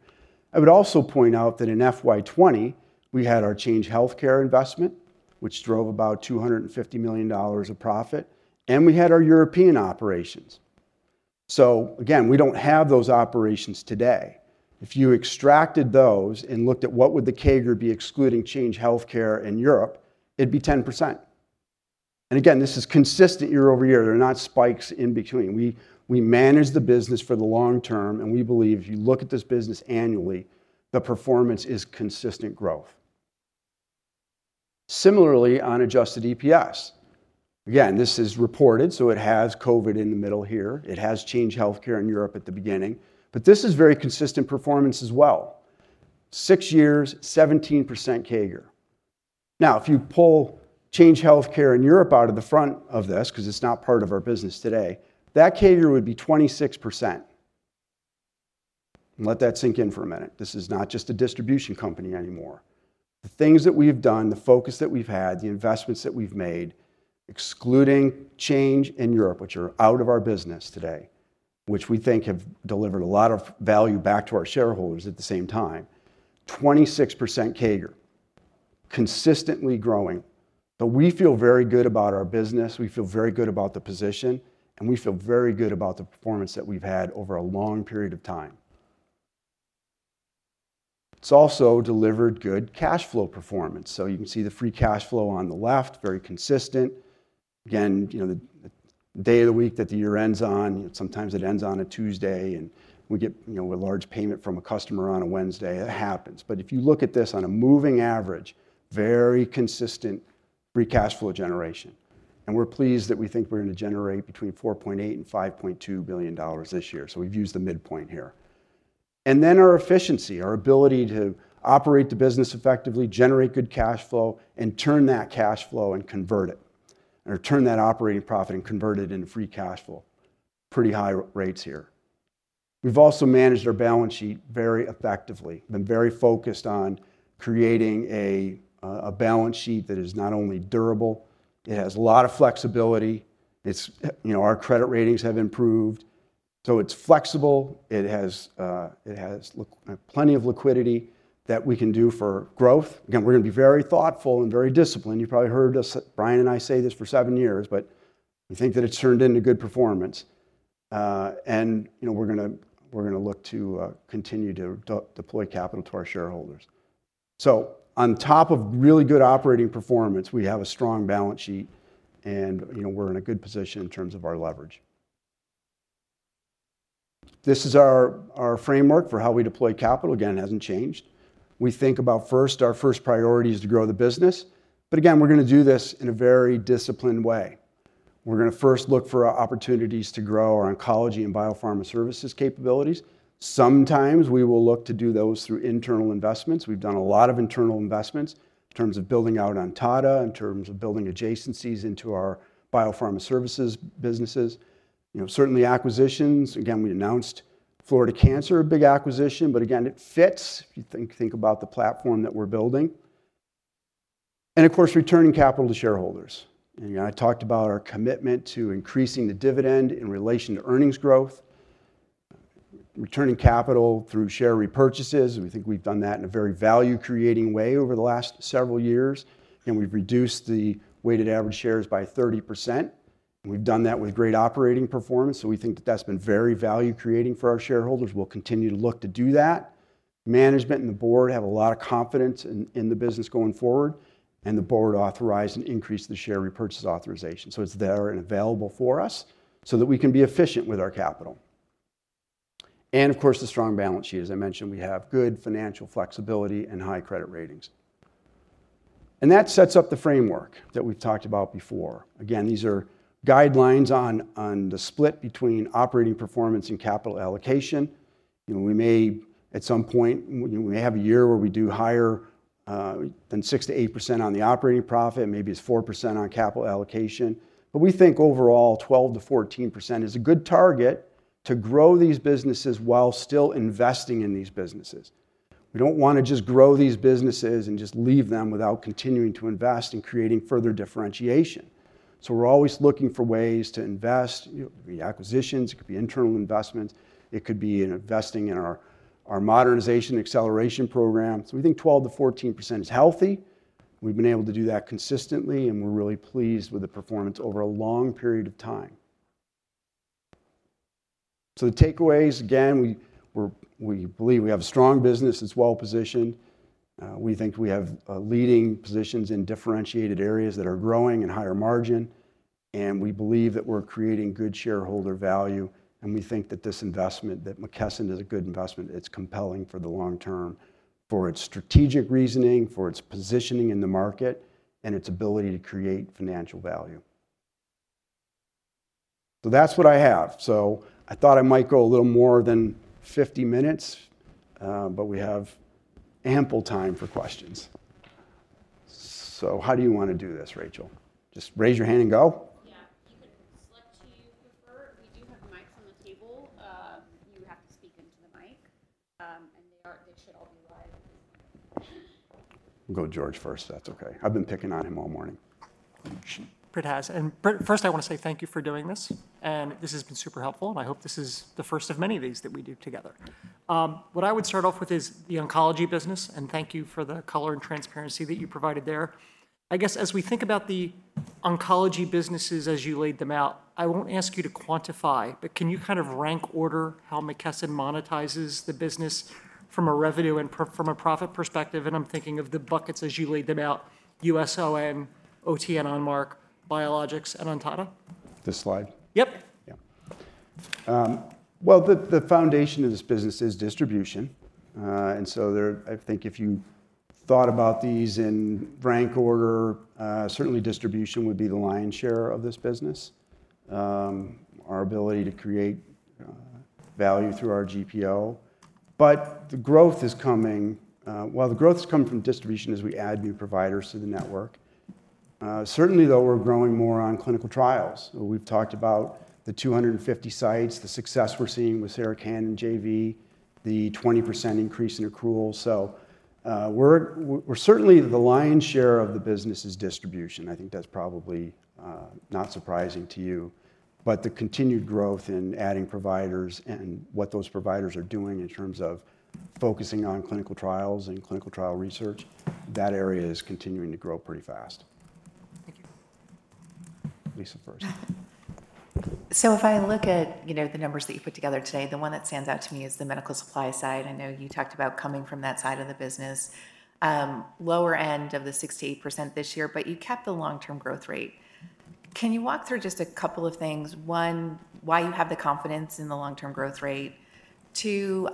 I would also point out that in FY 2020, we had our Change Healthcare investment, which drove about $250 million of profit, and we had our European operations. So again, we don't have those operations today. If you extracted those and looked at what would the CAGR be excluding Change Healthcare in Europe, it'd be 10%. And again, this is consistent year-over-year. There are not spikes in between. We manage the business for the long term, and we believe if you look at this business annually, the performance is consistent growth. Similarly, on Adjusted EPS, again, this is reported, so it has COVID in the middle here. It has Change Healthcare in Europe at the beginning, but this is very consistent performance as well. Six years, 17% CAGR. Now, if you pull Change Healthcare in Europe out of the front of this because it's not part of our business today, that CAGR would be 26%. Let that sink in for a minute. This is not just a distribution company anymore. The things that we've done, the focus that we've had, the investments that we've made, excluding change in Europe, which are out of our business today, which we think have delivered a lot of value back to our shareholders at the same time, 26% CAGR, consistently growing but we feel very good about our business. We feel very good about the position, and we feel very good about the performance that we've had over a long period of time. It's also delivered good cash flow performance so you can see the free cash flow on the left, very consistent. Again, the day of the week that the year ends on, sometimes it ends on a Tuesday, and we get a large payment from a customer on a Wednesday. It happens but if you look at this on a moving average, very consistent free cash flow generation. We're pleased that we think we're going to generate between $4.8 billion-$5.2 billion this year. So we've used the midpoint here. And then our efficiency, our ability to operate the business effectively, generate good cash flow, and turn that cash flow and convert it, or turn that operating profit and convert it into free cash flow. Pretty high rates here. We've also managed our balance sheet very effectively. We've been very focused on creating a balance sheet that is not only durable. It has a lot of flexibility. Our credit ratings have improved. So it's flexible. It has plenty of liquidity that we can do for growth. Again, we're going to be very thoughtful and very disciplined. You probably heard us, Brian and I say this for seven years, but we think that it's turned into good performance. We're going to look to continue to deploy capital to our shareholders. On top of really good operating performance, we have a strong balance sheet, and we're in a good position in terms of our leverage. This is our framework for how we deploy capital. Again, it hasn't changed. We think about first, our first priority is to grow the business. Again, we're going to do this in a very disciplined way. We're going to first look for opportunities to grow our oncology and biopharma services capabilities. Sometimes we will look to do those through internal investments. We've done a lot of internal investments in terms of building out Ontada, in terms of building adjacencies into our biopharma services businesses. Certainly, acquisitions. Again, we announced Florida Cancer, a big acquisition, but again, it fits if you think about the platform that we're building. And of course, returning capital to shareholders. And I talked about our commitment to increasing the dividend in relation to earnings growth, returning capital through share repurchases. We think we've done that in a very value-creating way over the last several years. And we've reduced the weighted average shares by 30%. We've done that with great operating performance. So we think that that's been very value-creating for our shareholders. We'll continue to look to do that. Management and the board have a lot of confidence in the business going forward, and the board authorized and increased the share repurchase authorization. So it's there and available for us so that we can be efficient with our capital. And of course, the strong balance sheet, as I mentioned, we have good financial flexibility and high credit ratings. And that sets up the framework that we've talked about before. Again, these are guidelines on the split between operating performance and capital allocation. We may, at some point, we may have a year where we do higher than 6%-8% on the operating profit. Maybe it's 4% on capital allocation. But we think overall, 12%-14% is a good target to grow these businesses while still investing in these businesses. We don't want to just grow these businesses and just leave them without continuing to invest and creating further differentiation. So we're always looking for ways to invest. It could be acquisitions. It could be internal investments. It could be investing in our modernization acceleration program. So we think 12%-14% is healthy. We've been able to do that consistently, and we're really pleased with the performance over a long period of time. So the takeaways, again, we believe we have a strong business. It's well positioned. We think we have leading positions in differentiated areas that are growing and higher margin. And we believe that we're creating good shareholder value. And we think that this investment, that McKesson is a good investment. It's compelling for the long term for its strategic reasoning, for its positioning in the market, and its ability to create financial value. So that's what I have. So I thought I might go a little more than 50 minutes, but we have ample time for questions. So how do you want to do this, Rachel? Just raise your hand and go. Yeah. You can select who you prefer. We do have mics on the table. You have to speak into the mic. And they should all be live. We'll go to George first if that's okay. I've been picking on him all morning. Britt has. And first, I want to say thank you for doing this. And this has been super helpful. And I hope this is the first of many of these that we do together. What I would start off with is the oncology business, and thank you for the color and transparency that you provided there. I guess as we think about the oncology businesses as you laid them out, I won't ask you to quantify, but can you kind of rank order how McKesson monetizes the business from a revenue and from a profit perspective? And I'm thinking of the buckets as you laid them out, USON, OTN, Onmark, Biologics, and Ontada. This slide? Yep. Yeah. Well, the foundation of this business is distribution. And so I think if you thought about these in rank order, certainly distribution would be the lion's share of this business, our ability to create value through our GPO. But the growth is coming well, the growth has come from distribution as we add new providers to the network. Certainly, though, we're growing more on clinical trials. We've talked about the 250 sites, the success we're seeing with Sarah Cannon and JV, the 20% increase in accrual. So certainly, the lion's share of the business is distribution. I think that's probably not surprising to you. But the continued growth in adding providers and what those providers are doing in terms of focusing on clinical trials and clinical trial research, that area is continuing to grow pretty fast. Thank you. Lisa first. So if I look at the numbers that you put together today, the one that stands out to me is the medical supply side. I know you talked about coming from that side of the business, lower end of the 68% this year, but you kept the long-term growth rate. Can you walk through just a couple of things? One, why you have the confidence in the long-term growth rate. Two,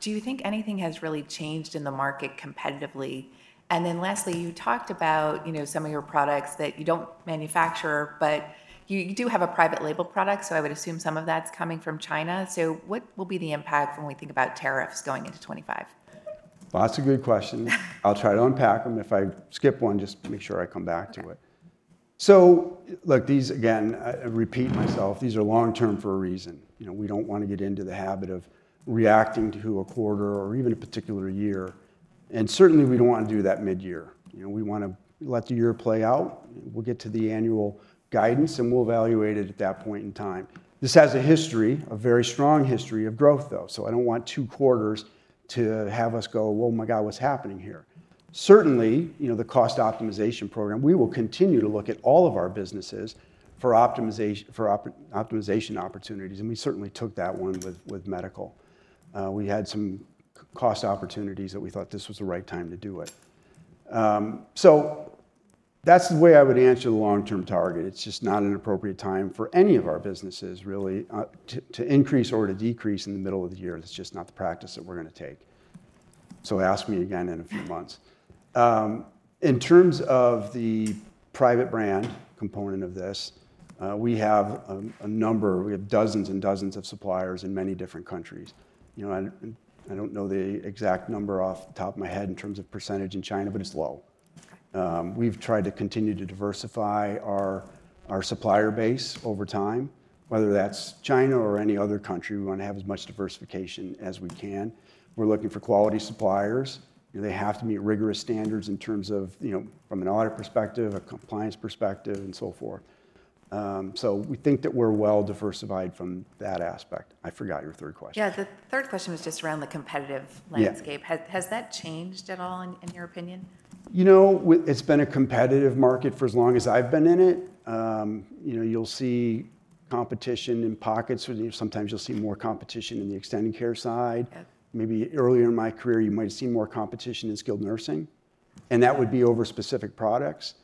do you think anything has really changed in the market competitively? And then lastly, you talked about some of your products that you don't manufacture, but you do have a private label product, so I would assume some of that's coming from China. So what will be the impact when we think about tariffs going into 2025? Lots of good questions. I'll try to unpack them. If I skip one, just make sure I come back to it. So look, again, I repeat myself, these are long-term for a reason. We don't want to get into the habit of reacting to a quarter or even a particular year. And certainly, we don't want to do that mid-year. We want to let the year play out. We'll get to the annual guidance, and we'll evaluate it at that point in time. This has a history, a very strong history of growth, though. So I don't want two quarters to have us go, "Oh my God, what's happening here?" Certainly, the cost optimization program, we will continue to look at all of our businesses for optimization opportunities. And we certainly took that one with medical. We had some cost opportunities that we thought this was the right time to do it. So that's the way I would answer the long-term target. It's just not an appropriate time for any of our businesses, really, to increase or to decrease in the middle of the year. That's just not the practice that we're going to take. So ask me again in a few months. In terms of the private brand component of this, we have a number. We have dozens and dozens of suppliers in many different countries. I don't know the exact number off the top of my head in terms of percentage in China, but it's low. We've tried to continue to diversify our supplier base over time, whether that's China or any other country. We want to have as much diversification as we can. We're looking for quality suppliers. They have to meet rigorous standards in terms of from an audit perspective, a compliance perspective, and so forth. So we think that we're well diversified from that aspect. I forgot your third question. Yeah. The third question was just around the competitive landscape. Has that changed at all, in your opinion? It's been a competitive market for as long as I've been in it. You'll see competition in pockets. Sometimes you'll see more competition in the extended care side. Maybe earlier in my career, you might have seen more competition in skilled nursing. And that would be over specific products.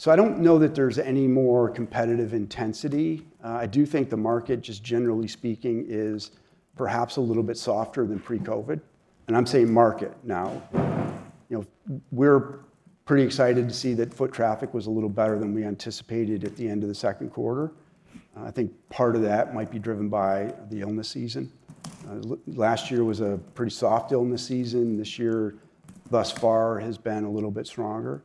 So I don't know that there's any more competitive intensity. I do think the market, just generally speaking, is perhaps a little bit softer than pre-COVID. And I'm saying market now. We're pretty excited to see that foot traffic was a little better than we anticipated at the end of the second quarter. I think part of that might be driven by the illness season. Last year was a pretty soft illness season. This year, thus far, has been a little bit stronger.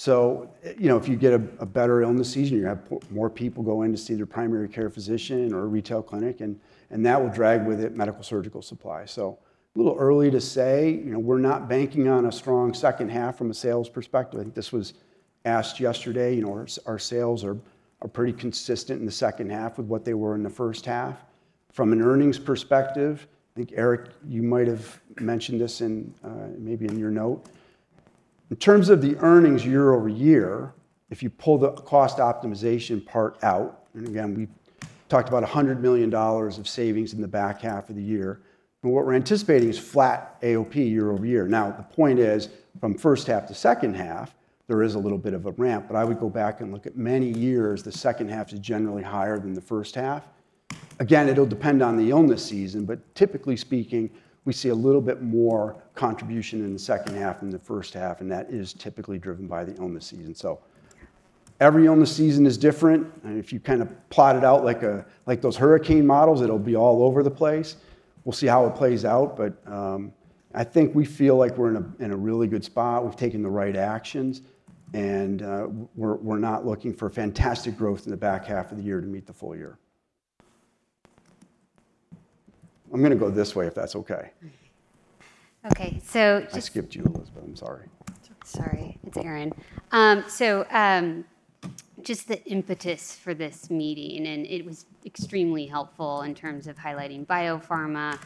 So if you get a better illness season, you have more people go in to see their primary care physician or a retail clinic, and that will drag with it medical surgical supply. So a little early to say. We're not banking on a strong second half from a sales perspective. I think this was asked yesterday. Our sales are pretty consistent in the second half with what they were in the first half. From an earnings perspective, I think, Eric, you might have mentioned this maybe in your note. In terms of the earnings year over year, if you pull the cost optimization part out, and again, we talked about $100 million of savings in the back half of the year. And what we're anticipating is flat AOP year-over-year. Now, the point is, from first half to second half, there is a little bit of a ramp. But I would go back and look at many years, the second half is generally higher than the first half. Again, it'll depend on the illness season. But typically speaking, we see a little bit more contribution in the second half than the first half. And that is typically driven by the illness season. So every illness season is different. And if you kind of plot it out like those hurricane models, it'll be all over the place. We'll see how it plays out. But I think we feel like we're in a really good spot. We've taken the right actions. And we're not looking for fantastic growth in the back half of the year to meet the full year. I'm going to go this way if that's okay. Okay. So just I skipped you, Elizabeth. I'm sorry. Sorry. It's Erin. So just the impetus for this meeting, and it was extremely helpful in terms of highlighting biopharma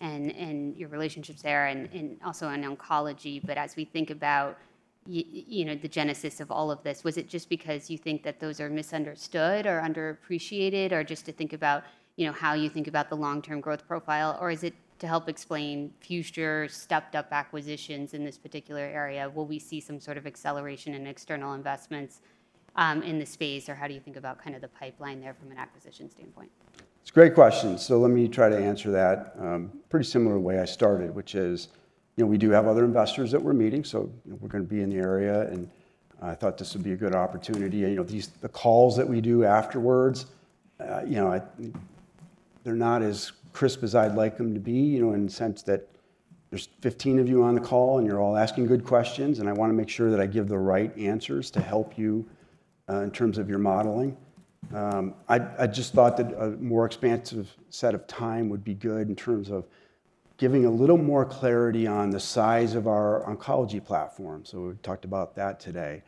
and your relationships there and also in oncology. But as we think about the genesis of all of this, was it just because you think that those are misunderstood or underappreciated or just to think about how you think about the long-term growth profile? Or is it to help explain future stepped-up acquisitions in this particular area? Will we see some sort of acceleration in external investments in the space? Or how do you think about kind of the pipeline there from an acquisition standpoint? It's a great question. So let me try to answer that in a pretty similar way I started, which is we do have other investors that we're meeting. So we're going to be in the area. And I thought this would be a good opportunity. The calls that we do afterwards, they're not as crisp as I'd like them to be in the sense that there's 15 of you on the call, and you're all asking good questions. And I want to make sure that I give the right answers to help you in terms of your modeling. I just thought that a more expansive set of time would be good in terms of giving a little more clarity on the size of our oncology platform. So we talked about that today,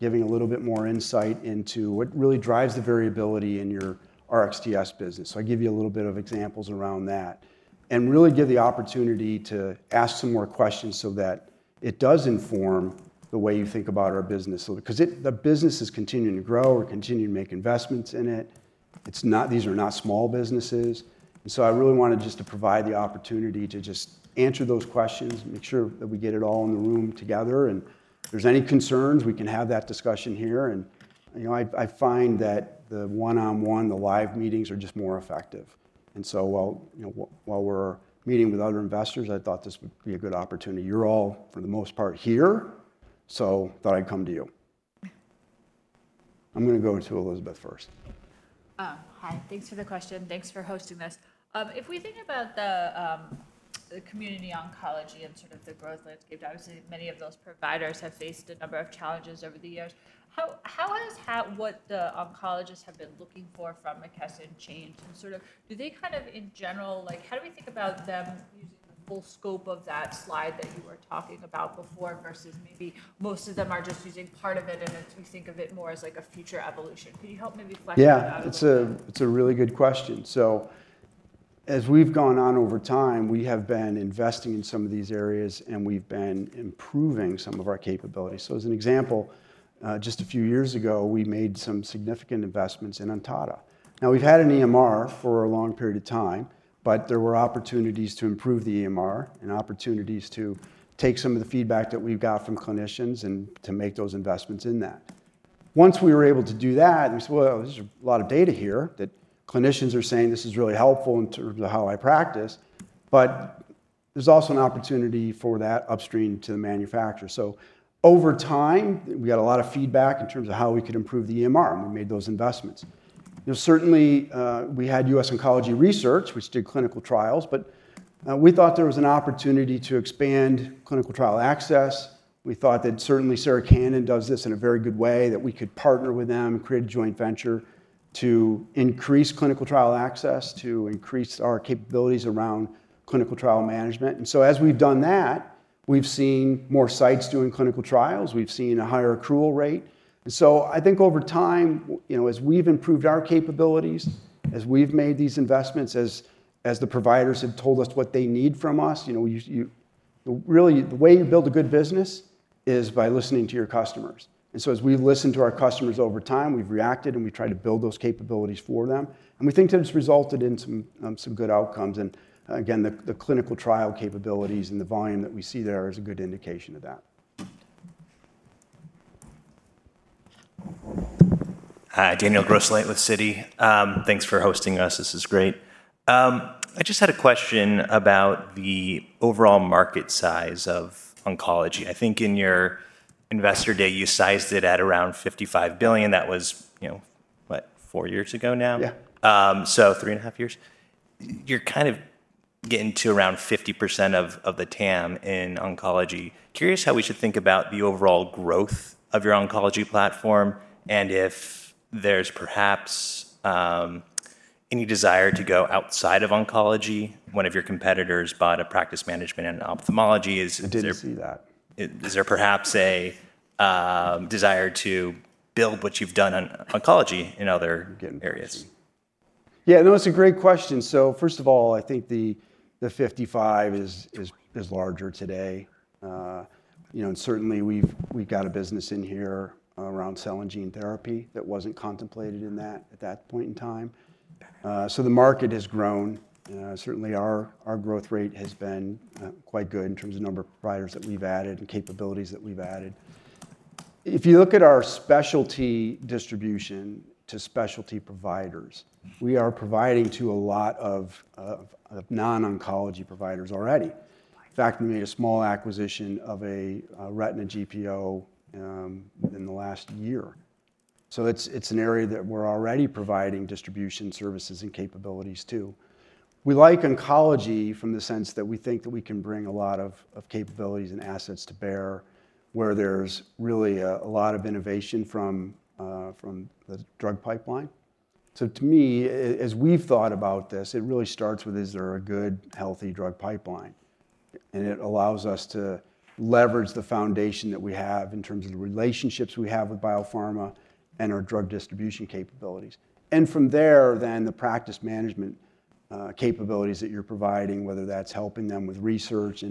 giving a little bit more insight into what really drives the variability in your RxTS business. So I give you a little bit of examples around that and really give the opportunity to ask some more questions so that it does inform the way you think about our business. Because the business is continuing to grow. We're continuing to make investments in it. These are not small businesses. And so I really wanted just to provide the opportunity to just answer those questions, make sure that we get it all in the room together. And if there's any concerns, we can have that discussion here. And I find that the one-on-one, the live meetings are just more effective. And so while we're meeting with other investors, I thought this would be a good opportunity. You're all, for the most part, here. So I thought I'd come to you. I'm going to go to Elizabeth first. Hi. Thanks for the question. Thanks for hosting this. If we think about the community oncology and sort of the growth landscape, obviously, many of those providers have faced a number of challenges over the years. How has what the oncologists have been looking for from McKesson changed? And sort of do they kind of, in general, how do we think about them using the full scope of that slide that you were talking about before versus maybe most of them are just using part of it, and we think of it more as a future evolution? Could you help me reflect on that? Yeah. It's a really good question. So as we've gone on over time, we have been investing in some of these areas, and we've been improving some of our capabilities. So as an example, just a few years ago, we made some significant investments in Ontada. Now, we've had an EMR for a long period of time, but there were opportunities to improve the EMR and opportunities to take some of the feedback that we've got from clinicians and to make those investments in that. Once we were able to do that, we said, "Well, there's a lot of data here that clinicians are saying this is really helpful in terms of how I practice." But there's also an opportunity for that upstream to the manufacturer. So over time, we got a lot of feedback in terms of how we could improve the EMR, and we made those investments. Certainly, we had US Oncology Research, which did clinical trials, but we thought there was an opportunity to expand clinical trial access. We thought that certainly Sarah Cannon does this in a very good way that we could partner with them and create a joint venture to increase clinical trial access, to increase our capabilities around clinical trial management, and so as we've done that, we've seen more sites doing clinical trials. We've seen a higher accrual rate, and so I think over time, as we've improved our capabilities, as we've made these investments, as the providers have told us what they need from us, really, the way you build a good business is by listening to your customers, and so as we've listened to our customers over time, we've reacted, and we've tried to build those capabilities for them, and we think that it's resulted in some good outcomes, and again, the clinical trial capabilities and the volume that we see there is a good indication of that. Hi. Daniel Grosslight with Citi. Thanks for hosting us. This is great. I just had a question about the overall market size of oncology. I think in your investor day, you sized it at around $55 billion. That was, what, four years ago now? Yeah. So three and a half years. You're kind of getting to around 50% of the TAM in oncology. Curious how we should think about the overall growth of your oncology platform and if there's perhaps any desire to go outside of oncology. One of your competitors bought a practice management in ophthalmology. I did see that. Is there perhaps a desire to build what you've done on oncology in other areas? Yeah. No, it's a great question. So first of all, I think the 55 is larger today. And certainly, we've got a business in here around cell and gene therapy that wasn't contemplated in that at that point in time. So the market has grown. Certainly, our growth rate has been quite good in terms of number of providers that we've added and capabilities that we've added. If you look at our specialty distribution to specialty providers, we are providing to a lot of non-oncology providers already. In fact, we made a small acquisition of a retina GPO within the last year. So it's an area that we're already providing distribution services and capabilities to. We like oncology from the sense that we think that we can bring a lot of capabilities and assets to bear where there's really a lot of innovation from the drug pipeline. So to me, as we've thought about this, it really starts with, is there a good, healthy drug pipeline? And it allows us to leverage the foundation that we have in terms of the relationships we have with biopharma and our drug distribution capabilities. And from there, then the practice management capabilities that you're providing, whether that's helping them with research.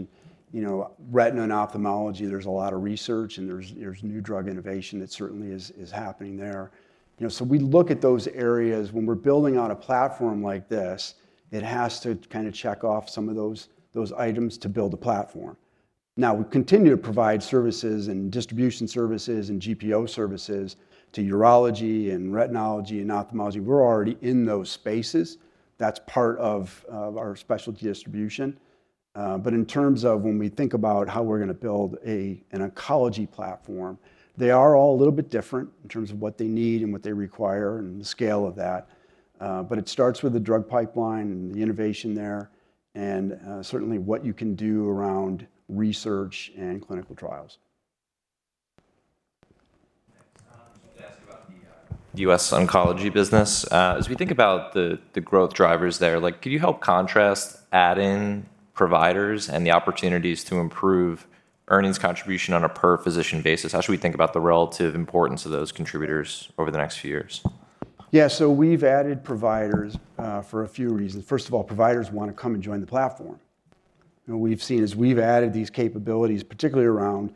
In retina and ophthalmology, there's a lot of research, and there's new drug innovation that certainly is happening there. So we look at those areas. When we're building out a platform like this, it has to kind of check off some of those items to build a platform. Now, we continue to provide services and distribution services and GPO services to urology and retinology and ophthalmology. We're already in those spaces. That's part of our specialty distribution. But in terms of when we think about how we're going to build an oncology platform, they are all a little bit different in terms of what they need and what they require and the scale of that. But it starts with the drug pipeline and the innovation there and certainly what you can do around research and clinical trials. I just wanted to ask about the US Oncology business. As we think about the growth drivers there, could you help contrast adding providers and the opportunities to improve earnings contribution on a per-physician basis? How should we think about the relative importance of those contributors over the next few years? Yeah. So we've added providers for a few reasons. First of all, providers want to come and join the platform. We've seen as we've added these capabilities, particularly around,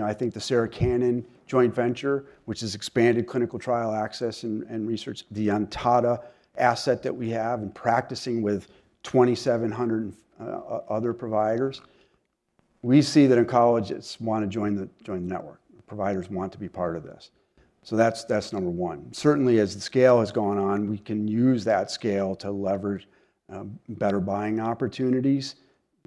I think, the Sarah Cannon and joint venture, which has expanded clinical trial access and research. The Ontada asset that we have and partnering with 2,700 other providers, we see that oncologists want to join the network. Providers want to be part of this. So that's number one. Certainly, as the scale has gone on, we can use that scale to leverage better buying opportunities,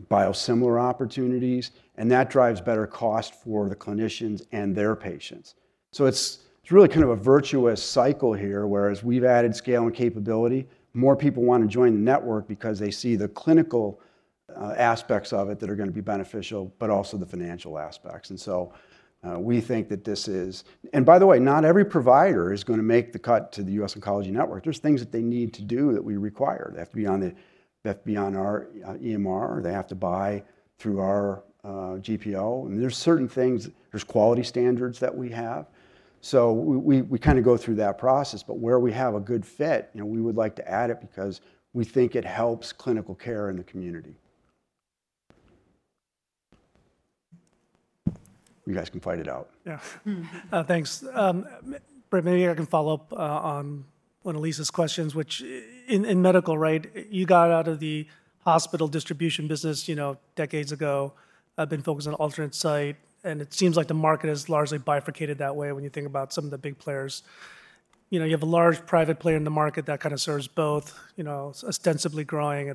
biosimilar opportunities. And that drives better cost for the clinicians and their patients. So it's really kind of a virtuous cycle here. Whereas we've added scale and capability, more people want to join the network because they see the clinical aspects of it that are going to be beneficial, but also the financial aspects. And so we think that this is, and by the way, not every provider is going to make the cut to the US Oncology Network. There are things that they need to do that we require. They have to be on our EMR, or they have to buy through our GPO. And there are certain things. There are quality standards that we have. So we kind of go through that process. But where we have a good fit, we would like to add it because we think it helps clinical care in the community. You guys can fight it out. Yeah. Thanks. Maybe I can follow up on one of Lisa's questions, which in medical, right? You got out of the hospital distribution business decades ago, been focused on alternate site. And it seems like the market has largely bifurcated that way when you think about some of the big players. You have a large private player in the market that kind of serves both, ostensibly growing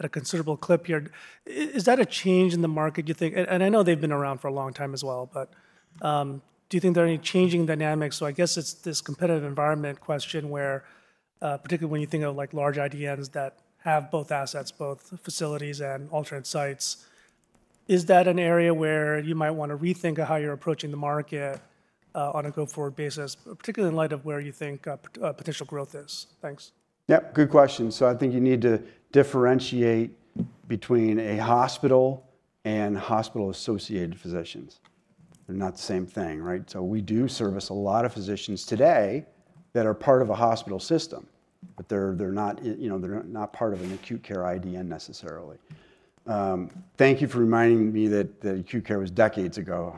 at a considerable clip here. Is that a change in the market, do you think? And I know they've been around for a long time as well. But do you think there are any changing dynamics? So I guess it's this competitive environment question where, particularly when you think of large IDNs that have both assets, both facilities and alternate sites, is that an area where you might want to rethink how you're approaching the market on a go-forward basis, particularly in light of where you think potential growth is? Thanks. Yep. Good question. So I think you need to differentiate between a hospital and hospital-associated physicians. They're not the same thing, right? So we do service a lot of physicians today that are part of a hospital system, but they're not part of an acute care IDN necessarily. Thank you for reminding me that the acute care was decades ago.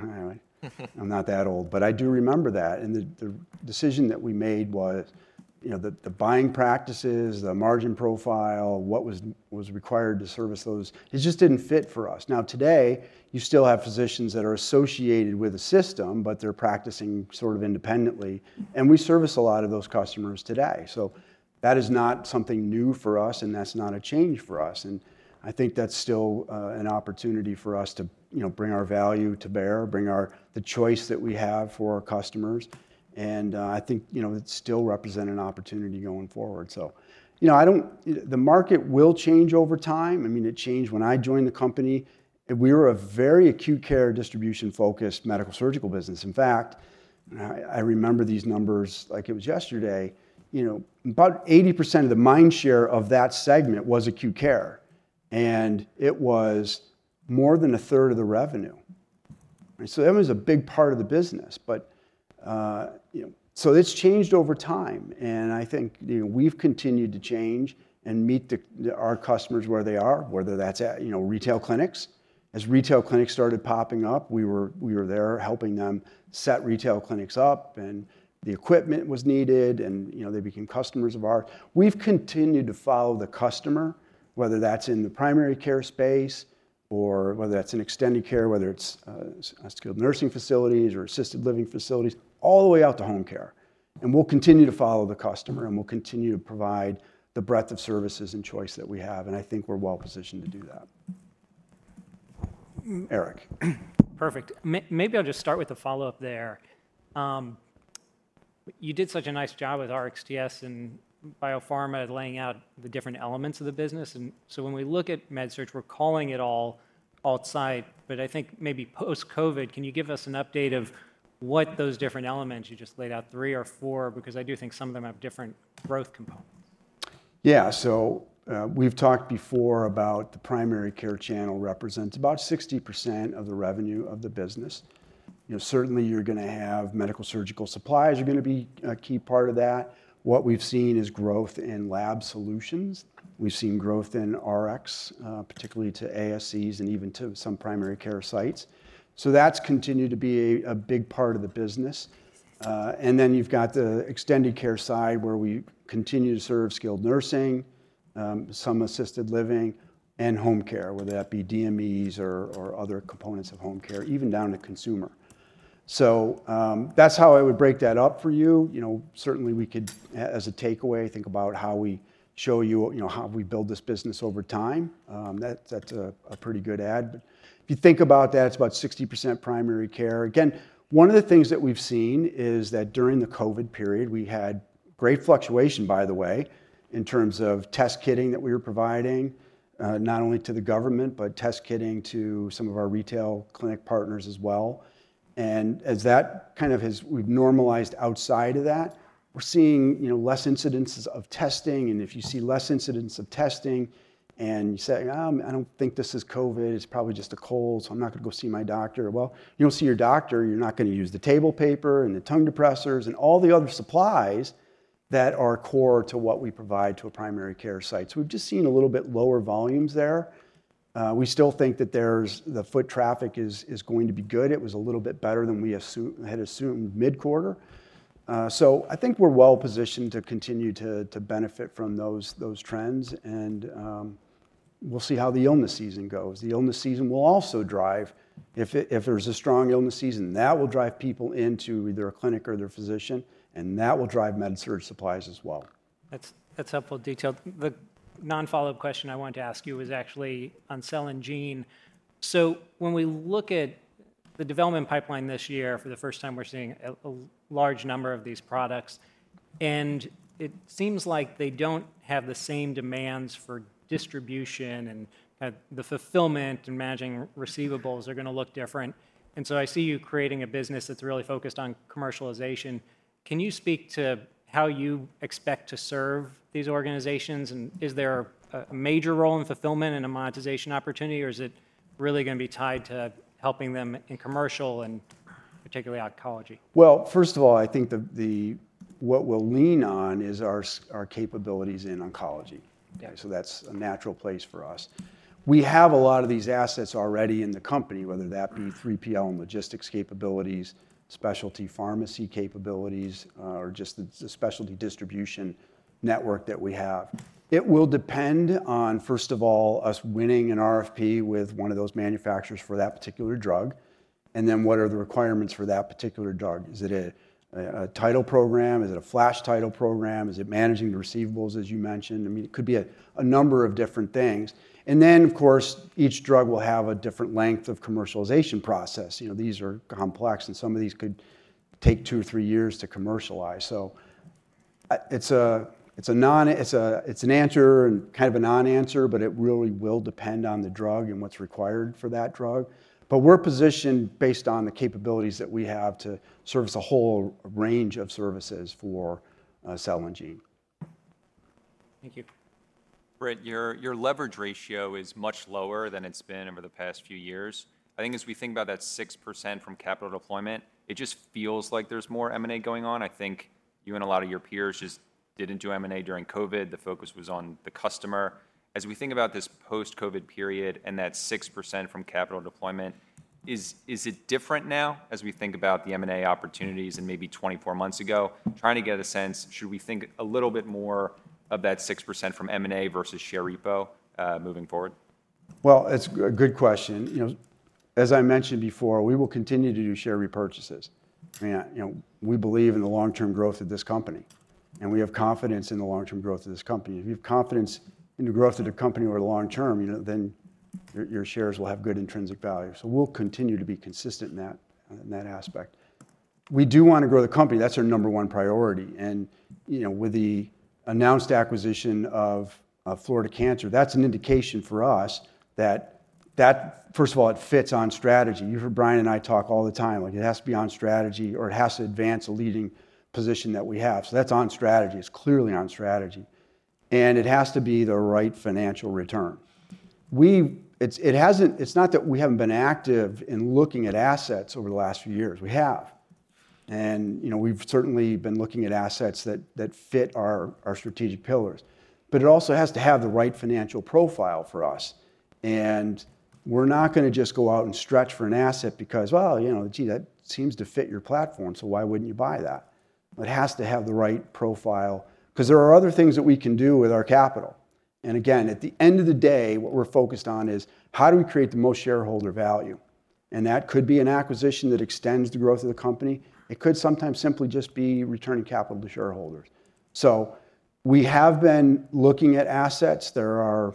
I'm not that old, but I do remember that. And the decision that we made was the buying practices, the margin profile, what was required to service those, it just didn't fit for us. Now, today, you still have physicians that are associated with a system, but they're practicing sort of independently. And we service a lot of those customers today. So that is not something new for us, and that's not a change for us. And I think that's still an opportunity for us to bring our value to bear, bring the choice that we have for our customers. And I think it still represents an opportunity going forward. So the market will change over time. I mean, it changed when I joined the company. We were a very acute care distribution-focused medical-surgical business. In fact, I remember these numbers like it was yesterday. About 80% of the mind share of that segment was acute care, and it was more than a third of the revenue. So that was a big part of the business. So it's changed over time. And I think we've continued to change and meet our customers where they are, whether that's retail clinics. As retail clinics started popping up, we were there helping them set retail clinics up, and the equipment was needed, and they became customers of ours. We've continued to follow the customer, whether that's in the primary care space or whether that's in extended care, whether it's skilled nursing facilities or assisted living facilities, all the way out to home care. We'll continue to follow the customer, and we'll continue to provide the breadth of services and choice that we have. I think we're well-positioned to do that. Eric. Perfect. Maybe I'll just start with a follow-up there. You did such a nice job with RxTS and biopharma laying out the different elements of the business. So when we look at MedSearch, we're calling it all outside. But I think maybe post-COVID, can you give us an update of what those different elements you just laid out, three or four, because I do think some of them have different growth components? Yeah. So we've talked before about the primary care channel represents about 60% of the revenue of the business. Certainly, you're going to have medical-surgical supplies. You're going to be a key part of that. What we've seen is growth in lab solutions. We've seen growth in Rx, particularly to ASCs and even to some primary care sites. So that's continued to be a big part of the business. And then you've got the extended care side where we continue to serve skilled nursing, some assisted living, and home care, whether that be DMEs or other components of home care, even down to consumer. So that's how I would break that up for you. Certainly, we could, as a takeaway, think about how we show you how we build this business over time. That's a pretty good add. But if you think about that, it's about 60% primary care. Again, one of the things that we've seen is that during the COVID period, we had great fluctuation, by the way, in terms of test kitting that we were providing not only to the government, but test kitting to some of our retail clinic partners as well. And as that kind of has normalized outside of that, we're seeing less incidences of testing. And if you see less incidence of testing and you say, "I don't think this is COVID. It's probably just a cold, so I'm not going to go see my doctor," well, you don't see your doctor. You're not going to use the table paper and the tongue depressors and all the other supplies that are core to what we provide to a primary care site. So we've just seen a little bit lower volumes there. We still think that the foot traffic is going to be good. It was a little bit better than we had assumed mid-quarter, so I think we're well-positioned to continue to benefit from those trends, and we'll see how the illness season goes. The illness season will also drive, if there's a strong illness season. That will drive people into either a clinic or their physician, and that will drive MedSearch supplies as well. That's helpful detail. The non-follow-up question I wanted to ask you was actually on cell and gene, so when we look at the development pipeline this year, for the first time, we're seeing a large number of these products, and it seems like they don't have the same demands for distribution and the fulfillment and managing receivables are going to look different, and so I see you creating a business that's really focused on commercialization. Can you speak to how you expect to serve these organizations? And is there a major role in fulfillment and a monetization opportunity, or is it really going to be tied to helping them in commercial and particularly oncology? Well, first of all, I think what we'll lean on is our capabilities in oncology. So that's a natural place for us. We have a lot of these assets already in the company, whether that be 3PL and logistics capabilities, specialty pharmacy capabilities, or just the specialty distribution network that we have. It will depend on, first of all, us winning an RFP with one of those manufacturers for that particular drug. And then what are the requirements for that particular drug? Is it a title program? Is it a flash title program? Is it managing the receivables, as you mentioned? I mean, it could be a number of different things. Then, of course, each drug will have a different length of commercialization process. These are complex, and some of these could take two or three years to commercialize. So it's a non-answer and kind of a non-answer, but it really will depend on the drug and what's required for that drug. But we're positioned based on the capabilities that we have to service a whole range of services for cell and gene. Thank you. Britt, your leverage ratio is much lower than it's been over the past few years. I think as we think about that 6% from capital deployment, it just feels like there's more M&A going on. I think you and a lot of your peers just didn't do M&A during COVID. The focus was on the customer. As we think about this post-COVID period and that 6% from capital deployment, is it different now as we think about the M&A opportunities and maybe 24 months ago, trying to get a sense? Should we think a little bit more of that 6% from M&A versus share repo moving forward? Well, it's a good question. As I mentioned before, we will continue to do share repurchases. We believe in the long-term growth of this company, and we have confidence in the long-term growth of this company. If you have confidence in the growth of the company over the long term, then your shares will have good intrinsic value. So we'll continue to be consistent in that aspect. We do want to grow the company. That's our number one priority. With the announced acquisition of Florida Cancer Specialists, that's an indication for us that, first of all, it fits on strategy. You heard Brian and I talk all the time. It has to be on strategy, or it has to advance a leading position that we have. So that's on strategy. It's clearly on strategy. And it has to be the right financial return. It's not that we haven't been active in looking at assets over the last few years. We have. And we've certainly been looking at assets that fit our strategic pillars. But it also has to have the right financial profile for us. And we're not going to just go out and stretch for an asset because, well, gee, that seems to fit your platform, so why wouldn't you buy that? It has to have the right profile because there are other things that we can do with our capital. And again, at the end of the day, what we're focused on is how do we create the most shareholder value? And that could be an acquisition that extends the growth of the company. It could sometimes simply just be returning capital to shareholders. So we have been looking at assets. There are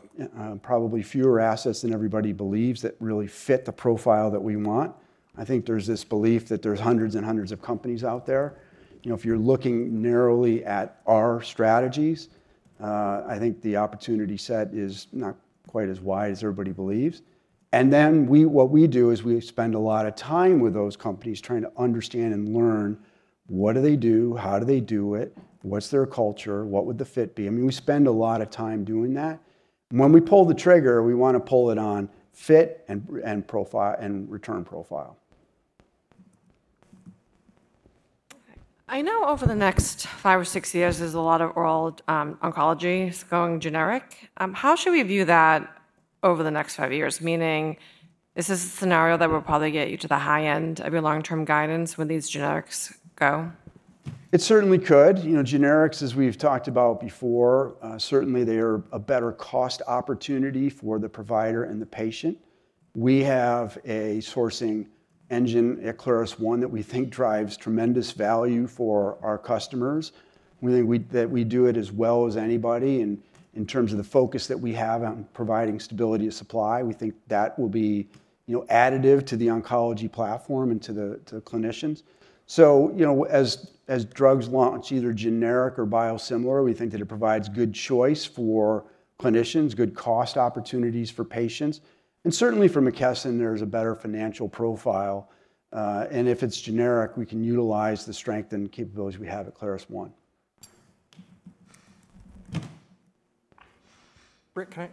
probably fewer assets than everybody believes that really fit the profile that we want. I think there's this belief that there's hundreds and hundreds of companies out there. If you're looking narrowly at our strategies, I think the opportunity set is not quite as wide as everybody believes. And then what we do is we spend a lot of time with those companies trying to understand and learn what do they do, how do they do it, what's their culture, what would the fit be. I mean, we spend a lot of time doing that. When we pull the trigger, we want to pull it on fit and return profile. I know over the next five or six years, there's a lot of oral oncology going generic. How should we view that over the next five years? Meaning, is this a scenario that will probably get you to the high end of your long-term guidance when these generics go? It certainly could. Generics, as we've talked about before, certainly they are a better cost opportunity for the provider and the patient. We have a sourcing engine, a ClarusOne, that we think drives tremendous value for our customers. We think that we do it as well as anybody. And in terms of the focus that we have on providing stability of supply, we think that will be additive to the oncology platform and to the clinicians. So as drugs launch, either generic or biosimilar, we think that it provides good choice for clinicians, good cost opportunities for patients. And certainly for McKesson, there's a better financial profile. And if it's generic, we can utilize the strength and capabilities we have at ClarusOne. Britt, can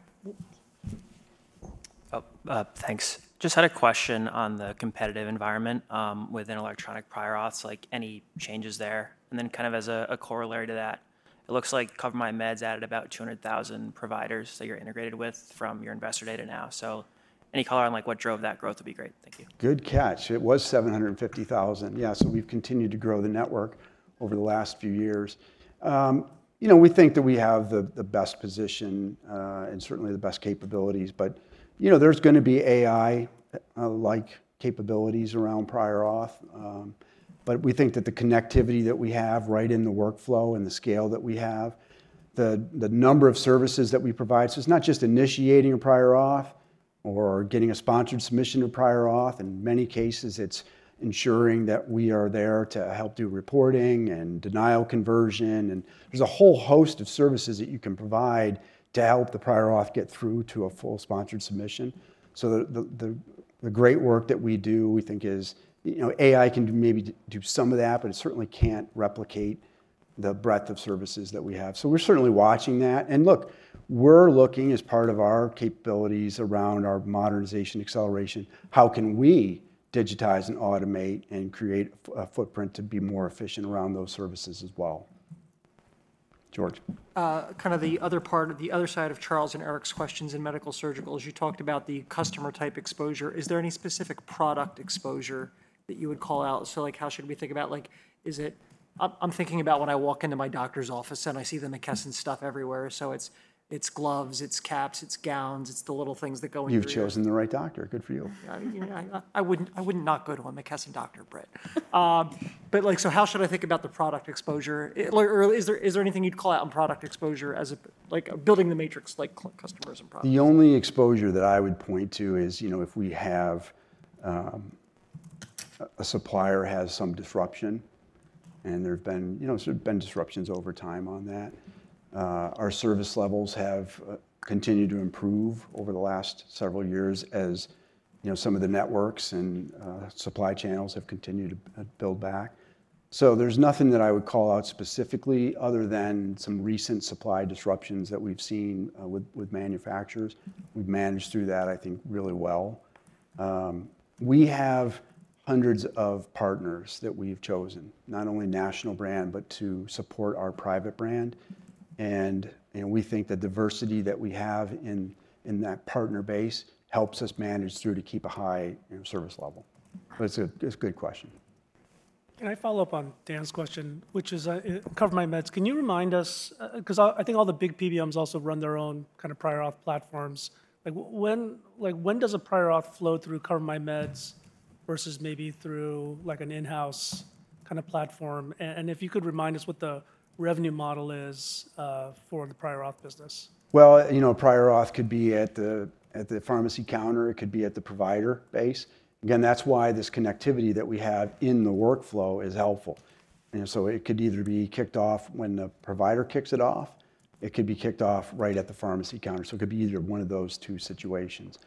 I? Thanks. Just had a question on the competitive environment within electronic prior auths, like any changes there? And then kind of as a corollary to that, it looks like CoverMyMeds added about 200,000 providers that you're integrated with from your investor data now. So any color on what drove that growth would be great. Thank you. Good catch. It was 750,000. Yeah. So we've continued to grow the network over the last few years. We think that we have the best position and certainly the best capabilities. But there's going to be AI-like capabilities around prior auth. But we think that the connectivity that we have right in the workflow and the scale that we have, the number of services that we provide, so it's not just initiating a prior auth or getting a sponsored submission to prior auth. In many cases, it's ensuring that we are there to help do reporting and denial conversion. And there's a whole host of services that you can provide to help the prior auth get through to a full sponsored submission. So the great work that we do, we think AI can maybe do some of that, but it certainly can't replicate the breadth of services that we have. So we're certainly watching that. And look, we're looking as part of our capabilities around our modernization acceleration, how can we digitize and automate and create a footprint to be more efficient around those services as well? George. Kind of the other side of Charles and Eric's questions in medical-surgical, as you talked about the customer-type exposure, is there any specific product exposure that you would call out? So how should we think about it? I'm thinking about when I walk into my doctor's office and I see the McKesson stuff everywhere. So it's gloves, it's caps, it's gowns, it's the little things that go into it. You've chosen the right doctor. Good for you. I wouldn't knock a good McKesson doctor, Britt. But so how should I think about the product exposure? Is there anything you'd call out on product exposure as building the matrix like customers and products? The only exposure that I would point to is if we have a supplier has some disruption, and there have been disruptions over time on that. Our service levels have continued to improve over the last several years as some of the networks and supply channels have continued to build back. So there's nothing that I would call out specifically other than some recent supply disruptions that we've seen with manufacturers. We've managed through that, I think, really well. We have hundreds of partners that we've chosen, not only national brand, but to support our private brand. And we think the diversity that we have in that partner base helps us manage through to keep a high service level. But it's a good question. Can I follow up on Dan's question, which is CoverMyMeds? Can you remind us, because I think all the big PBMs also run their own kind of prior auth platforms, when does a prior auth flow through CoverMyMeds versus maybe through an in-house kind of platform? And if you could remind us what the revenue model is for the prior auth business? Prior auth could be at the pharmacy counter. It could be at the provider base. Again, that's why this connectivity that we have in the workflow is helpful. So it could either be kicked off when the provider kicks it off. It could be kicked off right at the pharmacy counter. So it could be either one of those two situations.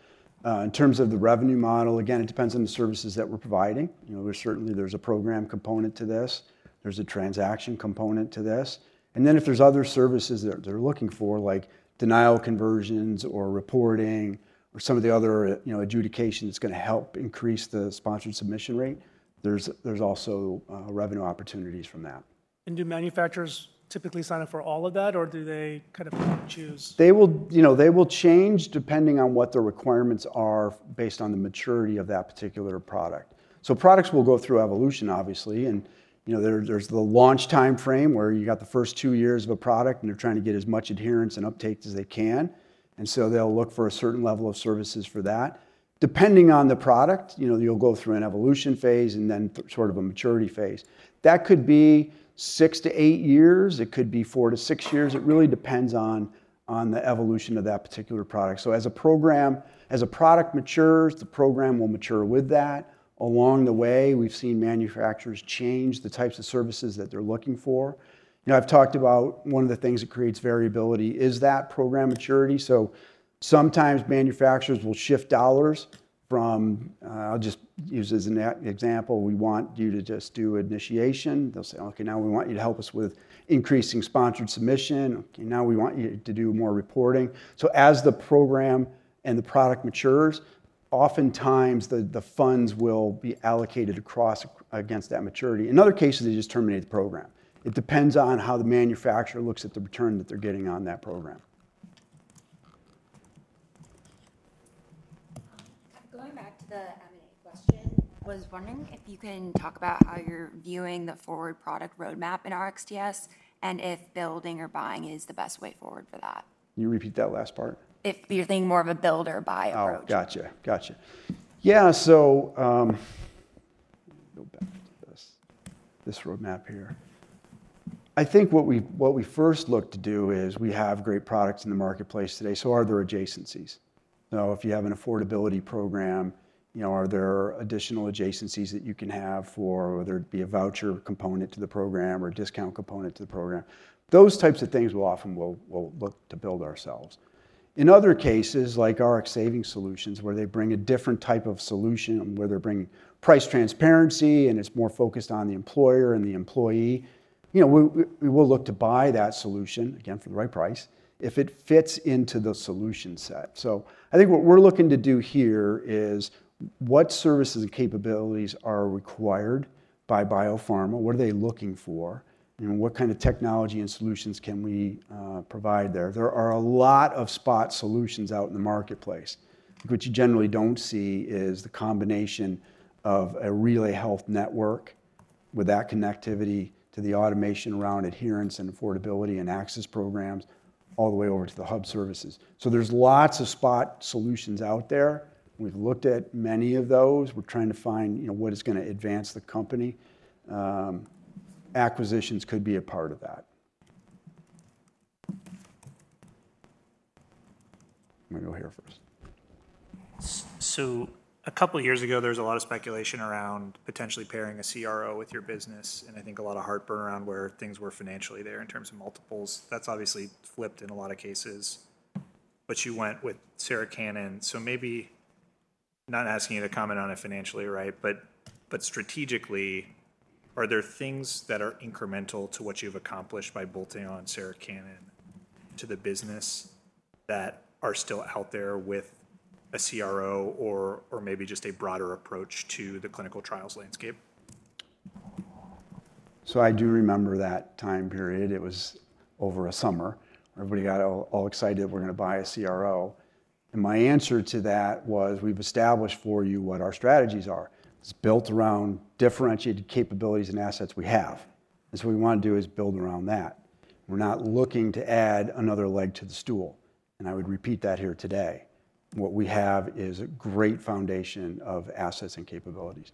In terms of the revenue model, again, it depends on the services that we're providing. Certainly, there's a program component to this. There's a transaction component to this. And then if there's other services that they're looking for, like denial conversions or reporting or some of the other adjudication that's going to help increase the sponsored submission rate, there's also revenue opportunities from that. And do manufacturers typically sign up for all of that, or do they kind of choose? They will change depending on what the requirements are based on the maturity of that particular product. So products will go through evolution, obviously. And there's the launch time frame where you got the first two years of a product, and they're trying to get as much adherence and uptake as they can. And so they'll look for a certain level of services for that. Depending on the product, you'll go through an evolution phase and then sort of a maturity phase. That could be six to eight years. It could be four to six years. It really depends on the evolution of that particular product. So as a program, as a product matures, the program will mature with that. Along the way, we've seen manufacturers change the types of services that they're looking for. I've talked about one of the things that creates variability is that program maturity. So sometimes manufacturers will shift dollars from, I'll just use as an example, we want you to just do initiation. They'll say, "Okay, now we want you to help us with increasing sponsored submission. Now we want you to do more reporting." So as the program and the product matures, oftentimes the funds will be allocated across against that maturity. In other cases, they just terminate the program. It depends on how the manufacturer looks at the return that they're getting on that program. Going back to the M&A question, I was wondering if you can talk about how you're viewing the forward product roadmap in RXDS and if building or buying is the best way forward for that. Can you repeat that last part? If you're thinking more of a build or buy approach. Oh, gotcha. Gotcha. Yeah. So let me go back to this roadmap here. I think what we first look to do is we have great products in the marketplace today. So are there adjacencies? So if you have an affordability program, are there additional adjacencies that you can have for whether it be a voucher component to the program or a discount component to the program? Those types of things we'll often look to build ourselves. In other cases, like Rx Savings Solutions, where they bring a different type of solution and where they're bringing price transparency and it's more focused on the employer and the employee, we will look to buy that solution, again, for the right price, if it fits into the solution set. So I think what we're looking to do here is what services and capabilities are required by biopharma, what are they looking for, and what kind of technology and solutions can we provide there? There are a lot of spot solutions out in the marketplace. What you generally don't see is the combination of a RelayHealth network with that connectivity to the automation around adherence and affordability and access programs all the way over to the hub services. So there's lots of spot solutions out there. We've looked at many of those. We're trying to find what is going to advance the company. Acquisitions could be a part of that. I'm going to go here first. So a couple of years ago, there was a lot of speculation around potentially pairing a CRO with your business, and I think a lot of heartburn around where things were financially there in terms of multiples. That's obviously flipped in a lot of cases, but you went with Sarah Cannon, so maybe not asking you to comment on it financially, right? But strategically, are there things that are incremental to what you've accomplished by bolting on Sarah Cannon to the business that are still out there with a CRO or maybe just a broader approach to the clinical trials landscape? I do remember that time period. It was over a summer. Everybody got all excited. We're going to buy a CRO. My answer to that was, we've established for you what our strategies are. It's built around differentiated capabilities and assets we have. And so what we want to do is build around that. We're not looking to add another leg to the stool. And I would repeat that here today. What we have is a great foundation of assets and capabilities.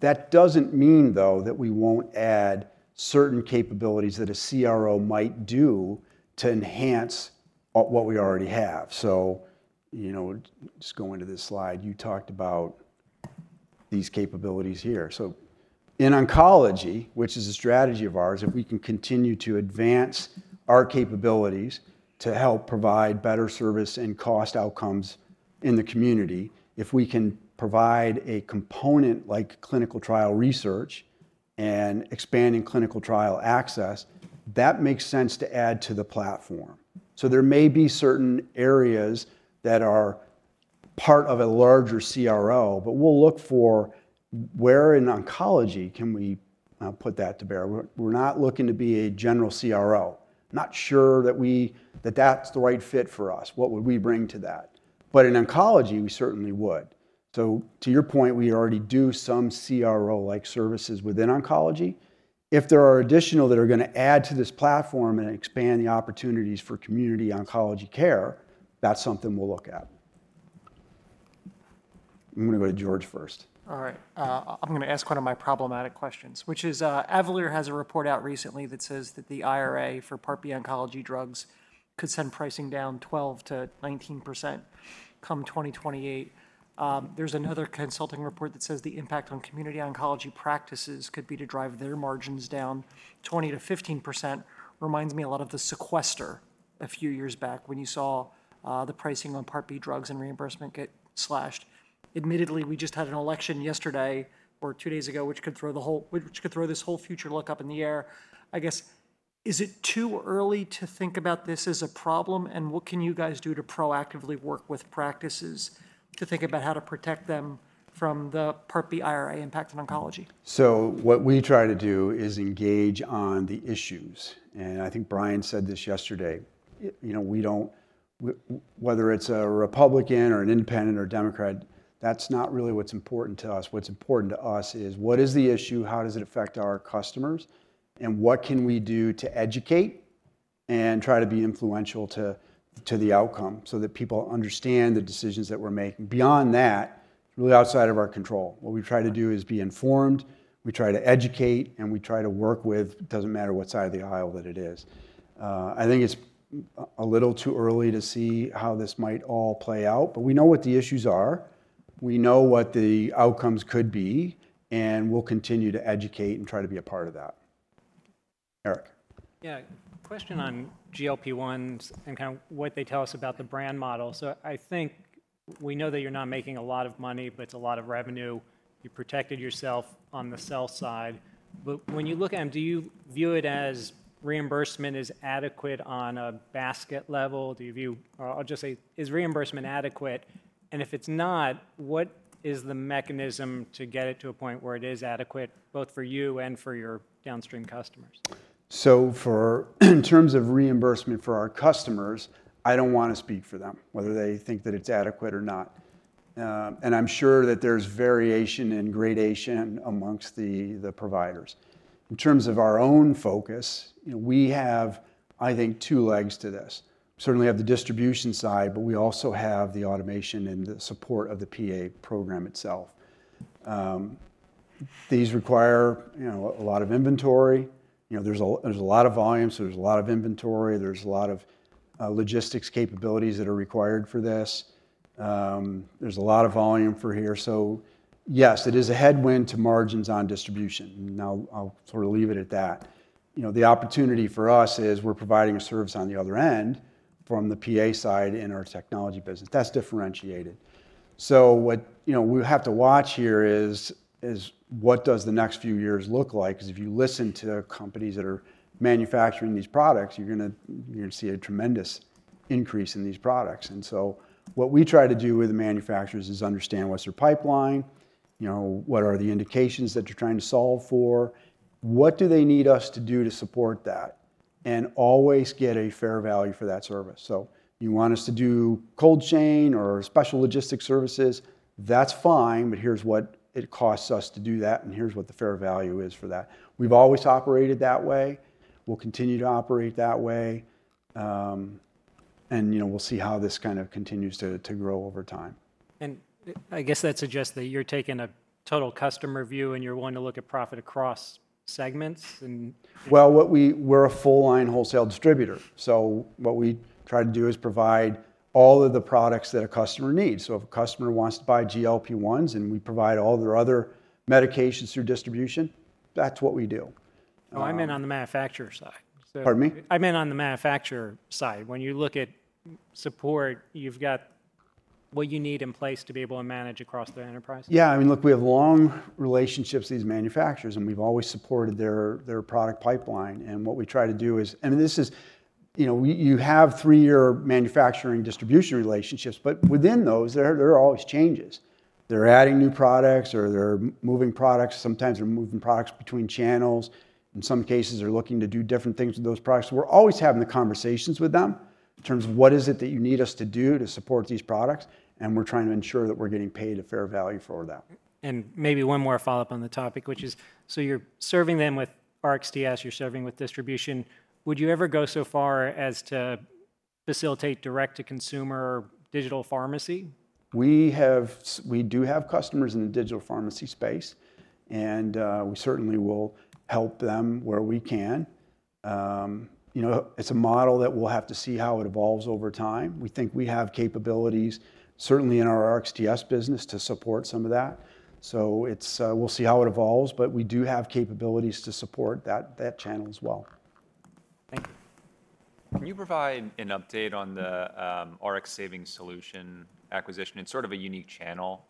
That doesn't mean, though, that we won't add certain capabilities that a CRO might do to enhance what we already have. So just going to this slide, you talked about these capabilities here. So in oncology, which is a strategy of ours, if we can continue to advance our capabilities to help provide better service and cost outcomes in the community, if we can provide a component like clinical trial research and expanding clinical trial access, that makes sense to add to the platform. There may be certain areas that are part of a larger CRO, but we'll look for where in oncology can we put that to bear. We're not looking to be a general CRO. Not sure that that's the right fit for us. What would we bring to that? But in oncology, we certainly would. To your point, we already do some CRO-like services within oncology. If there are additional that are going to add to this platform and expand the opportunities for community oncology care, that's something we'll look at. I'm going to go to George first. All right. I'm going to ask one of my problematic questions, which is Avalere has a report out recently that says that the IRA for Part B oncology drugs could send pricing down 12%-19% come 2028. There's another consulting report that says the impact on community oncology practices could be to drive their margins down 20%-15%. Reminds me a lot of the sequester a few years back when you saw the pricing on Part B drugs and reimbursement get slashed. Admittedly, we just had an election yesterday or two days ago, which could throw this whole future look up in the air. I guess, is it too early to think about this as a problem? And what can you guys do to proactively work with practices to think about how to protect them from the Part B IRA impact on oncology? So what we try to do is engage on the issues. And I think Brian said this yesterday. Whether it's a Republican or an independent or Democrat, that's not really what's important to us. What's important to us is what is the issue? How does it affect our customers? And what can we do to educate and try to be influential to the outcome so that people understand the decisions that we're making? Beyond that, really outside of our control, what we try to do is be informed. We try to educate, and we try to work with it, doesn't matter what side of the aisle that it is. I think it's a little too early to see how this might all play out, but we know what the issues are. We know what the outcomes could be, and we'll continue to educate and try to be a part of that. Eric. Yeah. Question on GLP-1s and kind of what they tell us about the brand model. So I think we know that you're not making a lot of money, but it's a lot of revenue. You protected yourself on the sell side. But when you look at them, do you view it as reimbursement is adequate on a basket level? Or I'll just say, is reimbursement adequate? And if it's not, what is the mechanism to get it to a point where it is adequate both for you and for your downstream customers? So in terms of reimbursement for our customers, I don't want to speak for them, whether they think that it's adequate or not. And I'm sure that there's variation and gradation amongst the providers. In terms of our own focus, we have, I think, two legs to this. We certainly have the distribution side, but we also have the automation and the support of the PA program itself. These require a lot of inventory. There's a lot of volume, so there's a lot of inventory. There's a lot of logistics capabilities that are required for this. There's a lot of volume for here, so yes, it is a headwind to margins on distribution. Now, I'll sort of leave it at that. The opportunity for us is we're providing a service on the other end from the PA side in our technology business. That's differentiated, so what we have to watch here is what does the next few years look like? Because if you listen to companies that are manufacturing these products, you're going to see a tremendous increase in these products. And so what we try to do with the manufacturers is understand what's their pipeline, what are the indications that you're trying to solve for, what do they need us to do to support that, and always get a fair value for that service. So you want us to do cold chain or special logistics services, that's fine, but here's what it costs us to do that, and here's what the fair value is for that. We've always operated that way. We'll continue to operate that way. And we'll see how this kind of continues to grow over time. And I guess that suggests that you're taking a total customer view and you're wanting to look at profit across segments. Well, we're a full-line wholesale distributor. So what we try to do is provide all of the products that a customer needs. So if a customer wants to buy GLP-1s and we provide all their other medications through distribution, that's what we do. Oh, I meant on the manufacturer side. Pardon me? I meant on the manufacturer side. When you look at support, you've got what you need in place to be able to manage across the enterprise? Yeah. I mean, look, we have long relationships with these manufacturers, and we've always supported their product pipeline. And what we try to do is, and this is, you have three-year manufacturing distribution relationships, but within those, there are always changes. They're adding new products or they're moving products. Sometimes they're moving products between channels. In some cases, they're looking to do different things with those products. We're always having the conversations with them in terms of what is it that you need us to do to support these products. And we're trying to ensure that we're getting paid a fair value for them. And maybe one more follow-up on the topic, which is, so you're serving them with RxTS, you're serving with distribution. Would you ever go so far as to facilitate direct-to-consumer digital pharmacy? We do have customers in the digital pharmacy space, and we certainly will help them where we can. It's a model that we'll have to see how it evolves over time. We think we have capabilities, certainly in our RxTS business, to support some of that. So we'll see how it evolves, but we do have capabilities to support that channel as well. Thank you. Can you provide an update on the Rx Savings Solutions acquisition? It's sort of a unique channel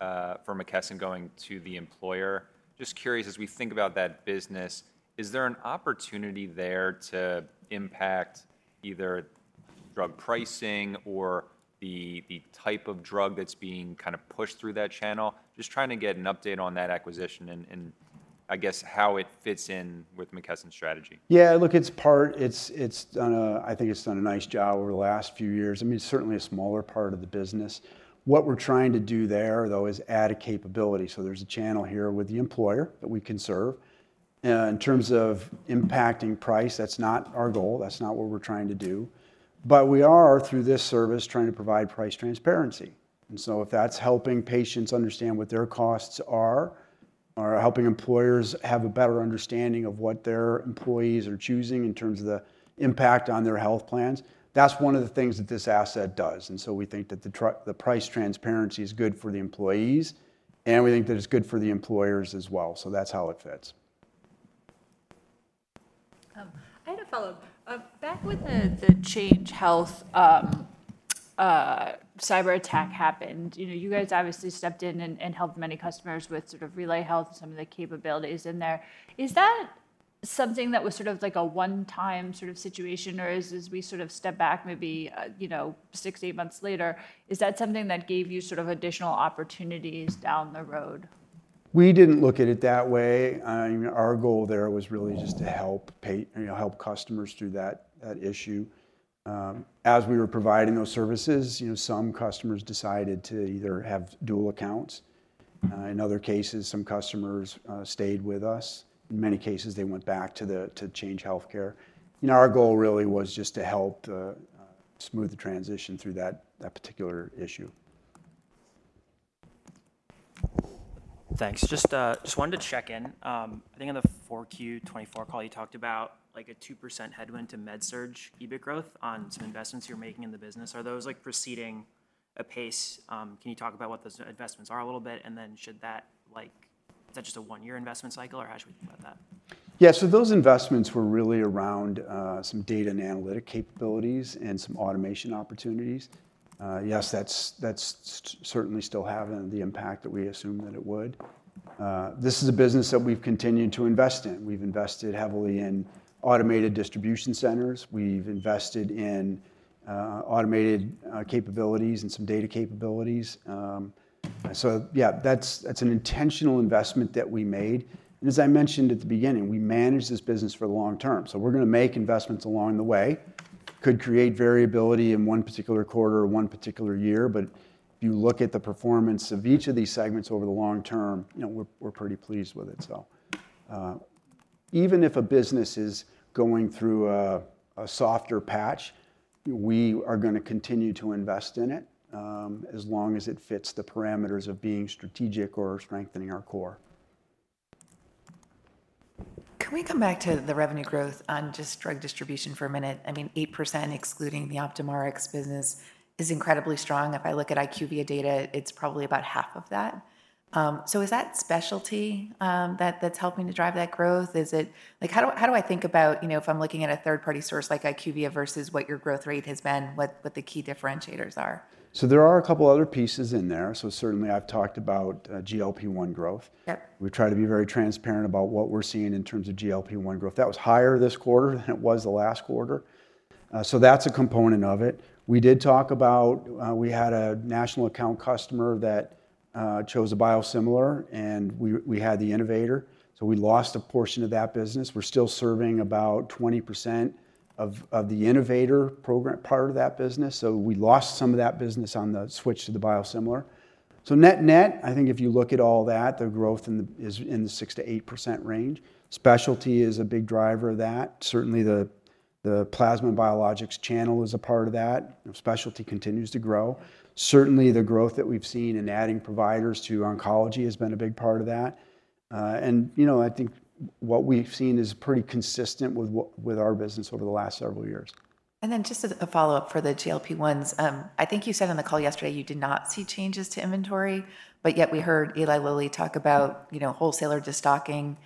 from McKesson going to the employer. Just curious, as we think about that business, is there an opportunity there to impact either drug pricing or the type of drug that's being kind of pushed through that channel? Just trying to get an update on that acquisition and, I guess, how it fits in with McKesson's strategy. Yeah. Look, I think it's done a nice job over the last few years. I mean, it's certainly a smaller part of the business. What we're trying to do there, though, is add a capability so there's a channel here with the employer that we can serve. In terms of impacting price, that's not our goal. That's not what we're trying to do but we are, through this service, trying to provide price transparency and so if that's helping patients understand what their costs are or helping employers have a better understanding of what their employees are choosing in terms of the impact on their health plans, that's one of the things that this asset does and so we think that the price transparency is good for the employees, and we think that it's good for the employers as well so that's how it fits. I had a follow-up. Back when the Change Healthcare cyber attack happened, you guys obviously stepped in and helped many customers with sort of RelayHealth and some of the capabilities in there. Is that something that was sort of like a one-time sort of situation, or as we sort of step back maybe six, eight months later, is that something that gave you sort of additional opportunities down the road? We didn't look at it that way. Our goal there was really just to help customers through that issue. As we were providing those services, some customers decided to either have dual accounts. In other cases, some customers stayed with us. In many cases, they went back to Change Healthcare. Our goal really was just to help smooth the transition through that particular issue. Thanks. Just wanted to check in. I think on the 4Q 2024 call, you talked about a 2% headwind to Med-Surg EBIT growth on some investments you're making in the business. Are those proceeding apace? Can you talk about what those investments are a little bit? And then is that just a one-year investment cycle, or how should we think about that? Yeah. So those investments were really around some data and analytics capabilities and some automation opportunities. Yes, that's certainly still having the impact that we assumed that it would. This is a business that we've continued to invest in. We've invested heavily in automated distribution centers. We've invested in automated capabilities and some data capabilities. So yeah, that's an intentional investment that we made. And as I mentioned at the beginning, we manage this business for the long term. So we're going to make investments along the way. It could create variability in one particular quarter or one particular year. But if you look at the performance of each of these segments over the long term, we're pretty pleased with it. So even if a business is going through a softer patch, we are going to continue to invest in it as long as it fits the parameters of being strategic or strengthening our core. Can we come back to the revenue growth on just drug distribution for a minute? I mean, 8% excluding the OptumRx business is incredibly strong. If I look at IQVIA data, it's probably about half of that. So is that specialty that's helping to drive that growth? How do I think about if I'm looking at a third-party source like IQVIA versus what your growth rate has been, what the key differentiators are? So there are a couple of other pieces in there. So certainly, I've talked about GLP-1 growth. We try to be very transparent about what we're seeing in terms of GLP-1 growth. That was higher this quarter than it was the last quarter. So that's a component of it. We did talk about we had a national account customer that chose a biosimilar, and we had the innovator. So we lost a portion of that business. We're still serving about 20% of the innovator program part of that business. So we lost some of that business on the switch to the biosimilar. So net-net, I think if you look at all that, the growth is in the 6%-8% range. Specialty is a big driver of that. Certainly, the Plasma Biologics channel is a part of that. Specialty continues to grow. Certainly, the growth that we've seen in adding providers to oncology has been a big part of that. And I think what we've seen is pretty consistent with our business over the last several years. And then just a follow-up for the GLP-1s. I think you said on the call yesterday you did not see changes to inventory, but yet we heard Eli Lilly talk about wholesaler destocking.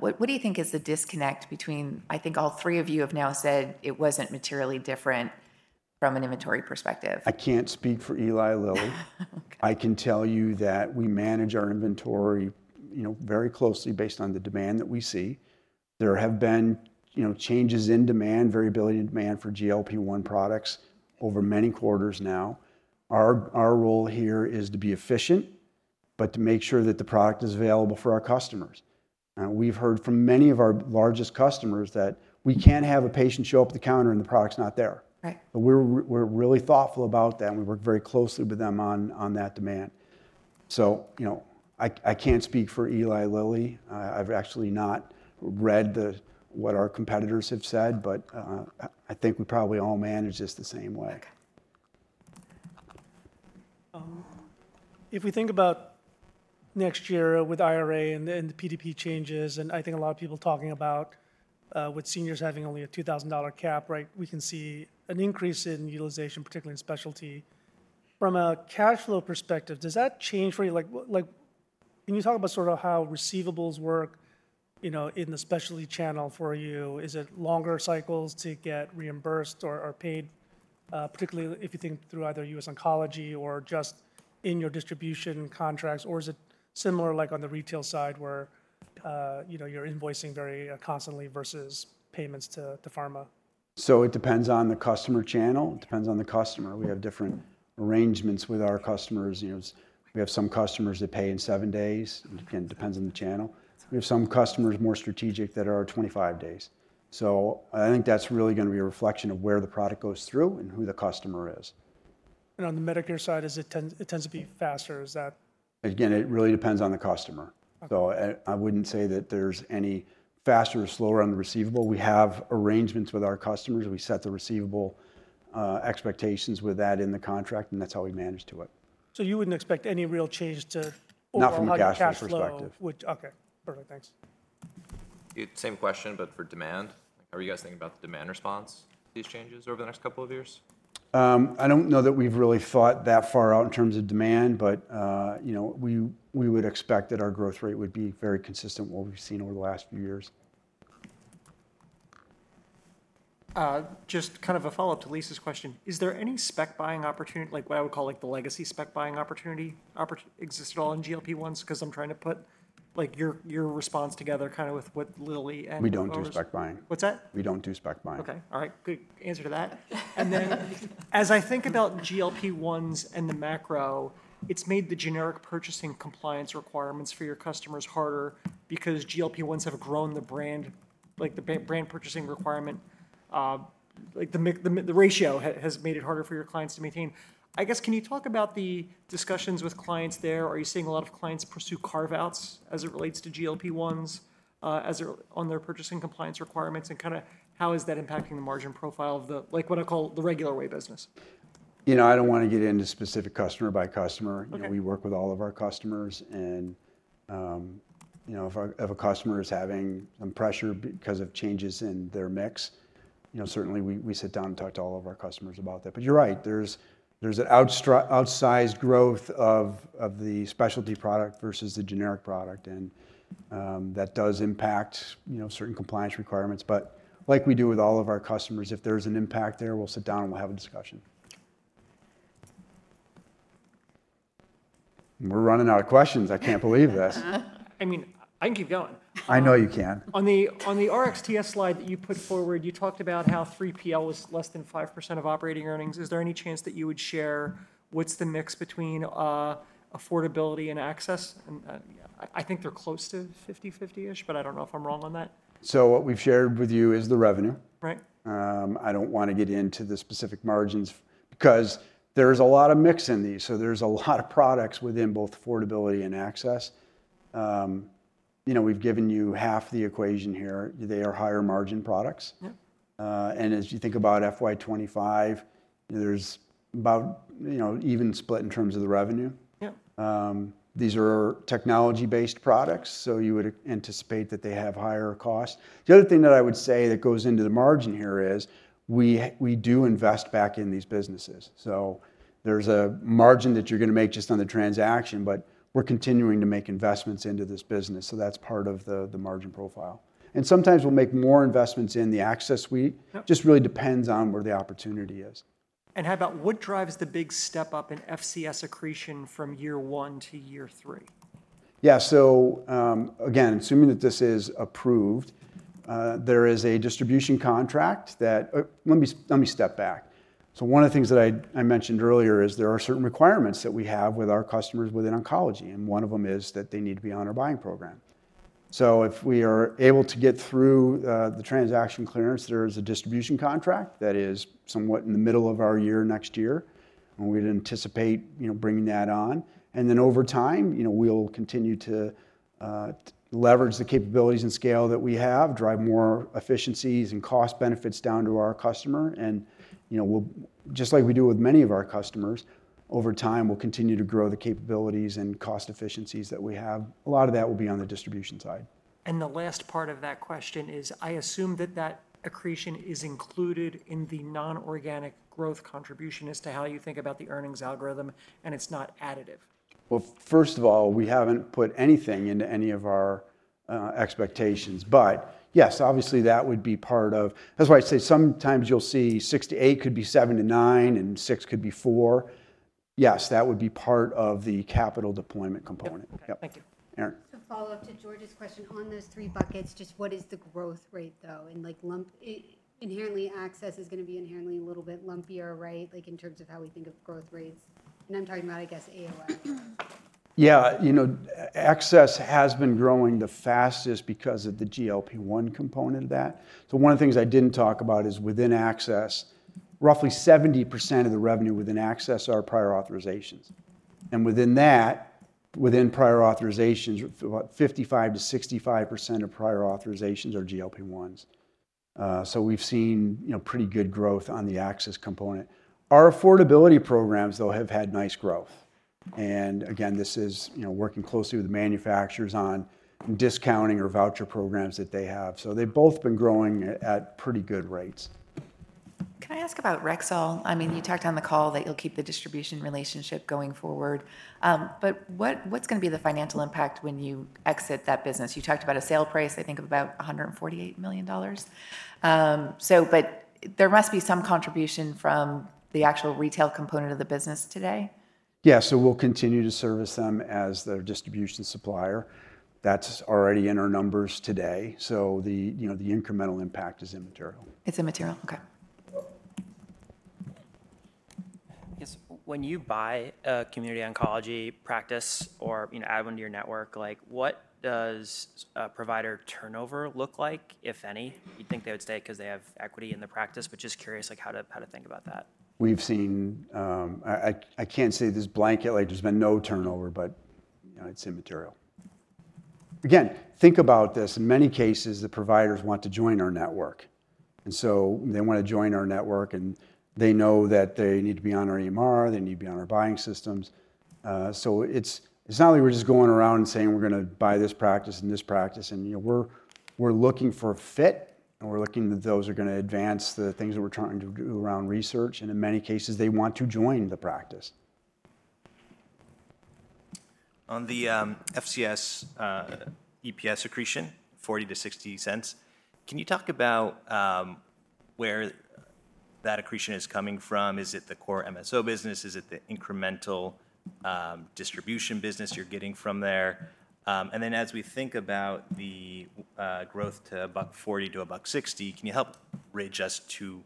What do you think is the disconnect between, I think all three of you have now said it wasn't materially different from an inventory perspective? I can't speak for Eli Lilly. I can tell you that we manage our inventory very closely based on the demand that we see. There have been changes in demand, variability in demand for GLP-1 products over many quarters now. Our role here is to be efficient, but to make sure that the product is available for our customers. We've heard from many of our largest customers that we can't have a patient show up at the counter and the product's not there. But we're really thoughtful about that, and we work very closely with them on that demand. So I can't speak for Eli Lilly. I've actually not read what our competitors have said, but I think we probably all manage this the same way. If we think about next year with IRA and the PDP changes, and I think a lot of people talking about with seniors having only a $2,000 cap, right, we can see an increase in utilization, particularly in specialty. From a cash flow perspective, does that change for you? Can you talk about sort of how receivables work in the specialty channel for you? Is it longer cycles to get reimbursed or paid, particularly if you think through either US Oncology or just in your distribution contracts? Or is it similar like on the retail side where you're invoicing very constantly versus payments to pharma? So it depends on the customer channel. It depends on the customer. We have different arrangements with our customers. We have some customers that pay in seven days. Again, it depends on the channel. We have some customers more strategic that are 25 days. So I think that's really going to be a reflection of where the product goes through and who the customer is. And on the Medicare side, it tends to be faster. Is that? Again, it really depends on the customer. So I wouldn't say that there's any faster or slower on the receivable. We have arrangements with our customers. We set the receivable expectations with that in the contract, and that's how we manage to it. So you wouldn't expect any real change to it? Not from a cash flow perspective. Okay. Perfect. Thanks. Same question, but for demand. How are you guys thinking about the demand response to these changes over the next couple of years? I don't know that we've really thought that far out in terms of demand, but we would expect that our growth rate would be very consistent with what we've seen over the last few years. Just kind of a follow-up to Lisa's question. Is there any spec buying opportunity, like what I would call the legacy spec buying opportunity, exist at all in GLP-1s? Because I'm trying to put your response together kind of with what Lilly and. We don't do spec buying. What's that? We don't do spec buying. Okay. All right. Good answer to that. And then, as I think about GLP-1s and the macro, it's made the generic purchasing compliance requirements for your customers harder because GLP-1s have grown the brand purchasing requirement. The ratio has made it harder for your clients to maintain. I guess, can you talk about the discussions with clients there? Are you seeing a lot of clients pursue carve-outs as it relates to GLP-1s on their purchasing compliance requirements? And kind of how is that impacting the margin profile of what I call the regular way business? I don't want to get into specific customer by customer. We work with all of our customers. And if a customer is having some pressure because of changes in their mix, certainly, we sit down and talk to all of our customers about that. But you're right. There's an outsized growth of the specialty product versus the generic product, and that does impact certain compliance requirements. But like we do with all of our customers, if there's an impact there, we'll sit down and we'll have a discussion. We're running out of questions. I can't believe this. I mean, I can keep going. I know you can. On the RxTS slide that you put forward, you talked about how 3PL was less than 5% of operating earnings. Is there any chance that you would share what's the mix between affordability and access? I think they're close to 50/50-ish, but I don't know if I'm wrong on that. So what we've shared with you is the revenue. I don't want to get into the specific margins because there's a lot of mix in these. So there's a lot of products within both affordability and access. We've given you half the equation here. They are higher margin products. And as you think about FY 2025, there's about even split in terms of the revenue. These are technology-based products, so you would anticipate that they have higher costs. The other thing that I would say that goes into the margin here is we do invest back in these businesses. So there's a margin that you're going to make just on the transaction, but we're continuing to make investments into this business. So that's part of the margin profile. And sometimes we'll make more investments in the access suite. Just really depends on where the opportunity is. And how about what drives the big step up in FCS accretion from year one to year three? Yeah. So again, assuming that this is approved, there is a distribution contract that. Let me step back. So one of the things that I mentioned earlier is there are certain requirements that we have with our customers within oncology. And one of them is that they need to be on our buying program. So if we are able to get through the transaction clearance, there is a distribution contract that is somewhat in the middle of our year next year, and we'd anticipate bringing that on. And then over time, we'll continue to leverage the capabilities and scale that we have, drive more efficiencies and cost benefits down to our customer. And just like we do with many of our customers, over time, we'll continue to grow the capabilities and cost efficiencies that we have. A lot of that will be on the distribution side. The last part of that question is, I assume that that accretion is included in the non-organic growth contribution as to how you think about the earnings algorithm, and it's not additive. Well, first of all, we haven't put anything into any of our expectations. But yes, obviously, that would be part of. That's why I say sometimes you'll see six to eight could be seven to nine, and six could be four. Yes, that would be part of the capital deployment component. Thank you. Erin. Just a follow-up to George's question on those three buckets. Just what is the growth rate, though? And inherently, access is going to be a little bit lumpier, right, in terms of how we think of growth rates. And I'm talking about, I guess, AOI. Yeah. Access has been growing the fastest because of the GLP-1 component of that. One of the things I didn't talk about is within access, roughly 70% of the revenue within access are prior authorizations. Within that, within prior authorizations, about 55%-65% of prior authorizations are GLP-1s. We've seen pretty good growth on the access component. Our affordability programs, though, have had nice growth. Again, this is working closely with the manufacturers on discounting or voucher programs that they have. They've both been growing at pretty good rates. Can I ask about Rexall? I mean, you talked on the call that you'll keep the distribution relationship going forward. But what's going to be the financial impact when you exit that business? You talked about a sale price, I think, of about $148 million. But there must be some contribution from the actual retail component of the business today. Yeah. So we'll continue to service them as their distribution supplier. That's already in our numbers today. So the incremental impact is immaterial. It's immaterial. Okay. I guess when you buy a community oncology practice or add one to your network, what does provider turnover look like, if any? You'd think they would stay because they have equity in the practice, but just curious how to think about that. We've seen, I can't say this blanketly. There's been no turnover, but it's immaterial. Again, think about this. In many cases, the providers want to join our network. And so they want to join our network, and they know that they need to be on our EMR. They need to be on our buying systems. So it's not like we're just going around and saying, "We're going to buy this practice and this practice." And we're looking for a fit, and we're looking that those are going to advance the things that we're trying to do around research. And in many cases, they want to join the practice. On the FCS EPS accretion, $0.40-$0.60, can you talk about where that accretion is coming from? Is it the core MSO business? Is it the incremental distribution business you're getting from there? And then as we think about the growth to about 40 to about 60, can you help bridge us to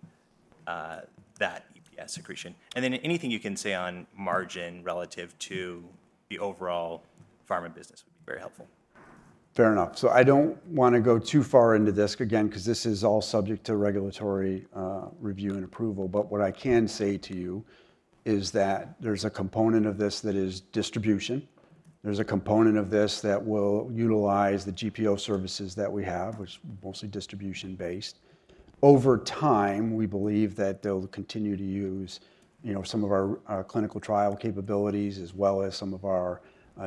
that EPS accretion? And then anything you can say on margin relative to the overall pharma business would be very helpful. Fair enough. So I don't want to go too far into this again because this is all subject to regulatory review and approval. But what I can say to you is that there's a component of this that is distribution. There's a component of this that will utilize the GPO services that we have, which is mostly distribution-based. Over time, we believe that they'll continue to use some of our clinical trial capabilities as well as some of our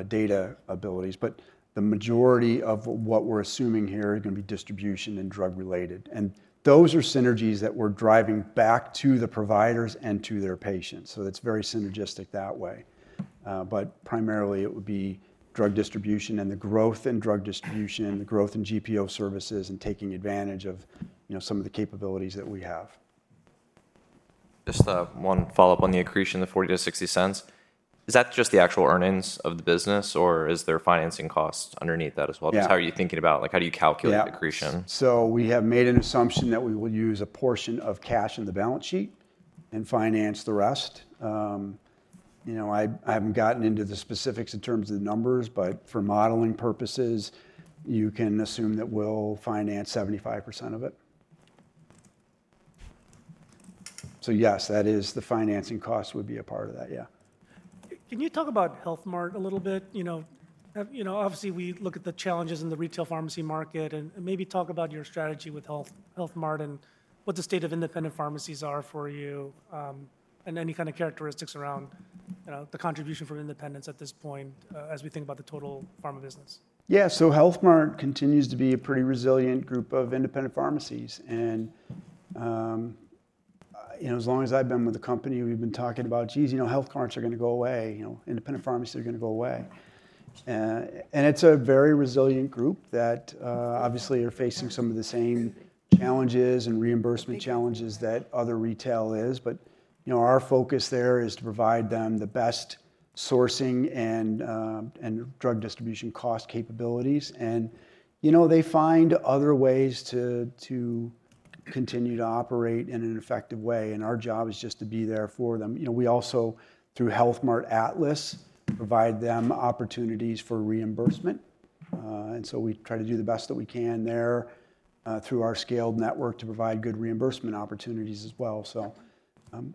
data abilities. But the majority of what we're assuming here is going to be distribution and drug-related. And those are synergies that we're driving back to the providers and to their patients. So it's very synergistic that way. But primarily, it would be drug distribution and the growth in drug distribution, the growth in GPO services, and taking advantage of some of the capabilities that we have. Just one follow-up on the accretion, the $0.40-$0.60. Is that just the actual earnings of the business, or is there financing costs underneath that as well? Just how are you thinking about how do you calculate the accretion? Yeah. So we have made an assumption that we will use a portion of cash in the balance sheet and finance the rest. I haven't gotten into the specifics in terms of the numbers, but for modeling purposes, you can assume that we'll finance 75% of it. So yes, that is the financing cost would be a part of that, yeah. Can you talk about Health Mart a little bit? Obviously, we look at the challenges in the retail pharmacy market and maybe talk about your strategy with Health Mart and what the state of independent pharmacies are for you and any kind of characteristics around the contribution for independence at this point as we think about the total pharma business? Yeah, so Health Mart continues to be a pretty resilient group of independent pharmacies, and as long as I've been with the company, we've been talking about, "Geez, Health Marts are going to go away. Independent pharmacies are going to go away," and it's a very resilient group that obviously are facing some of the same challenges and reimbursement challenges that other retail is. But our focus there is to provide them the best sourcing and drug distribution cost capabilities, and they find other ways to continue to operate in an effective way. And our job is just to be there for them. We also, through Health Mart Atlas, provide them opportunities for reimbursement. And so we try to do the best that we can there through our scaled network to provide good reimbursement opportunities as well. So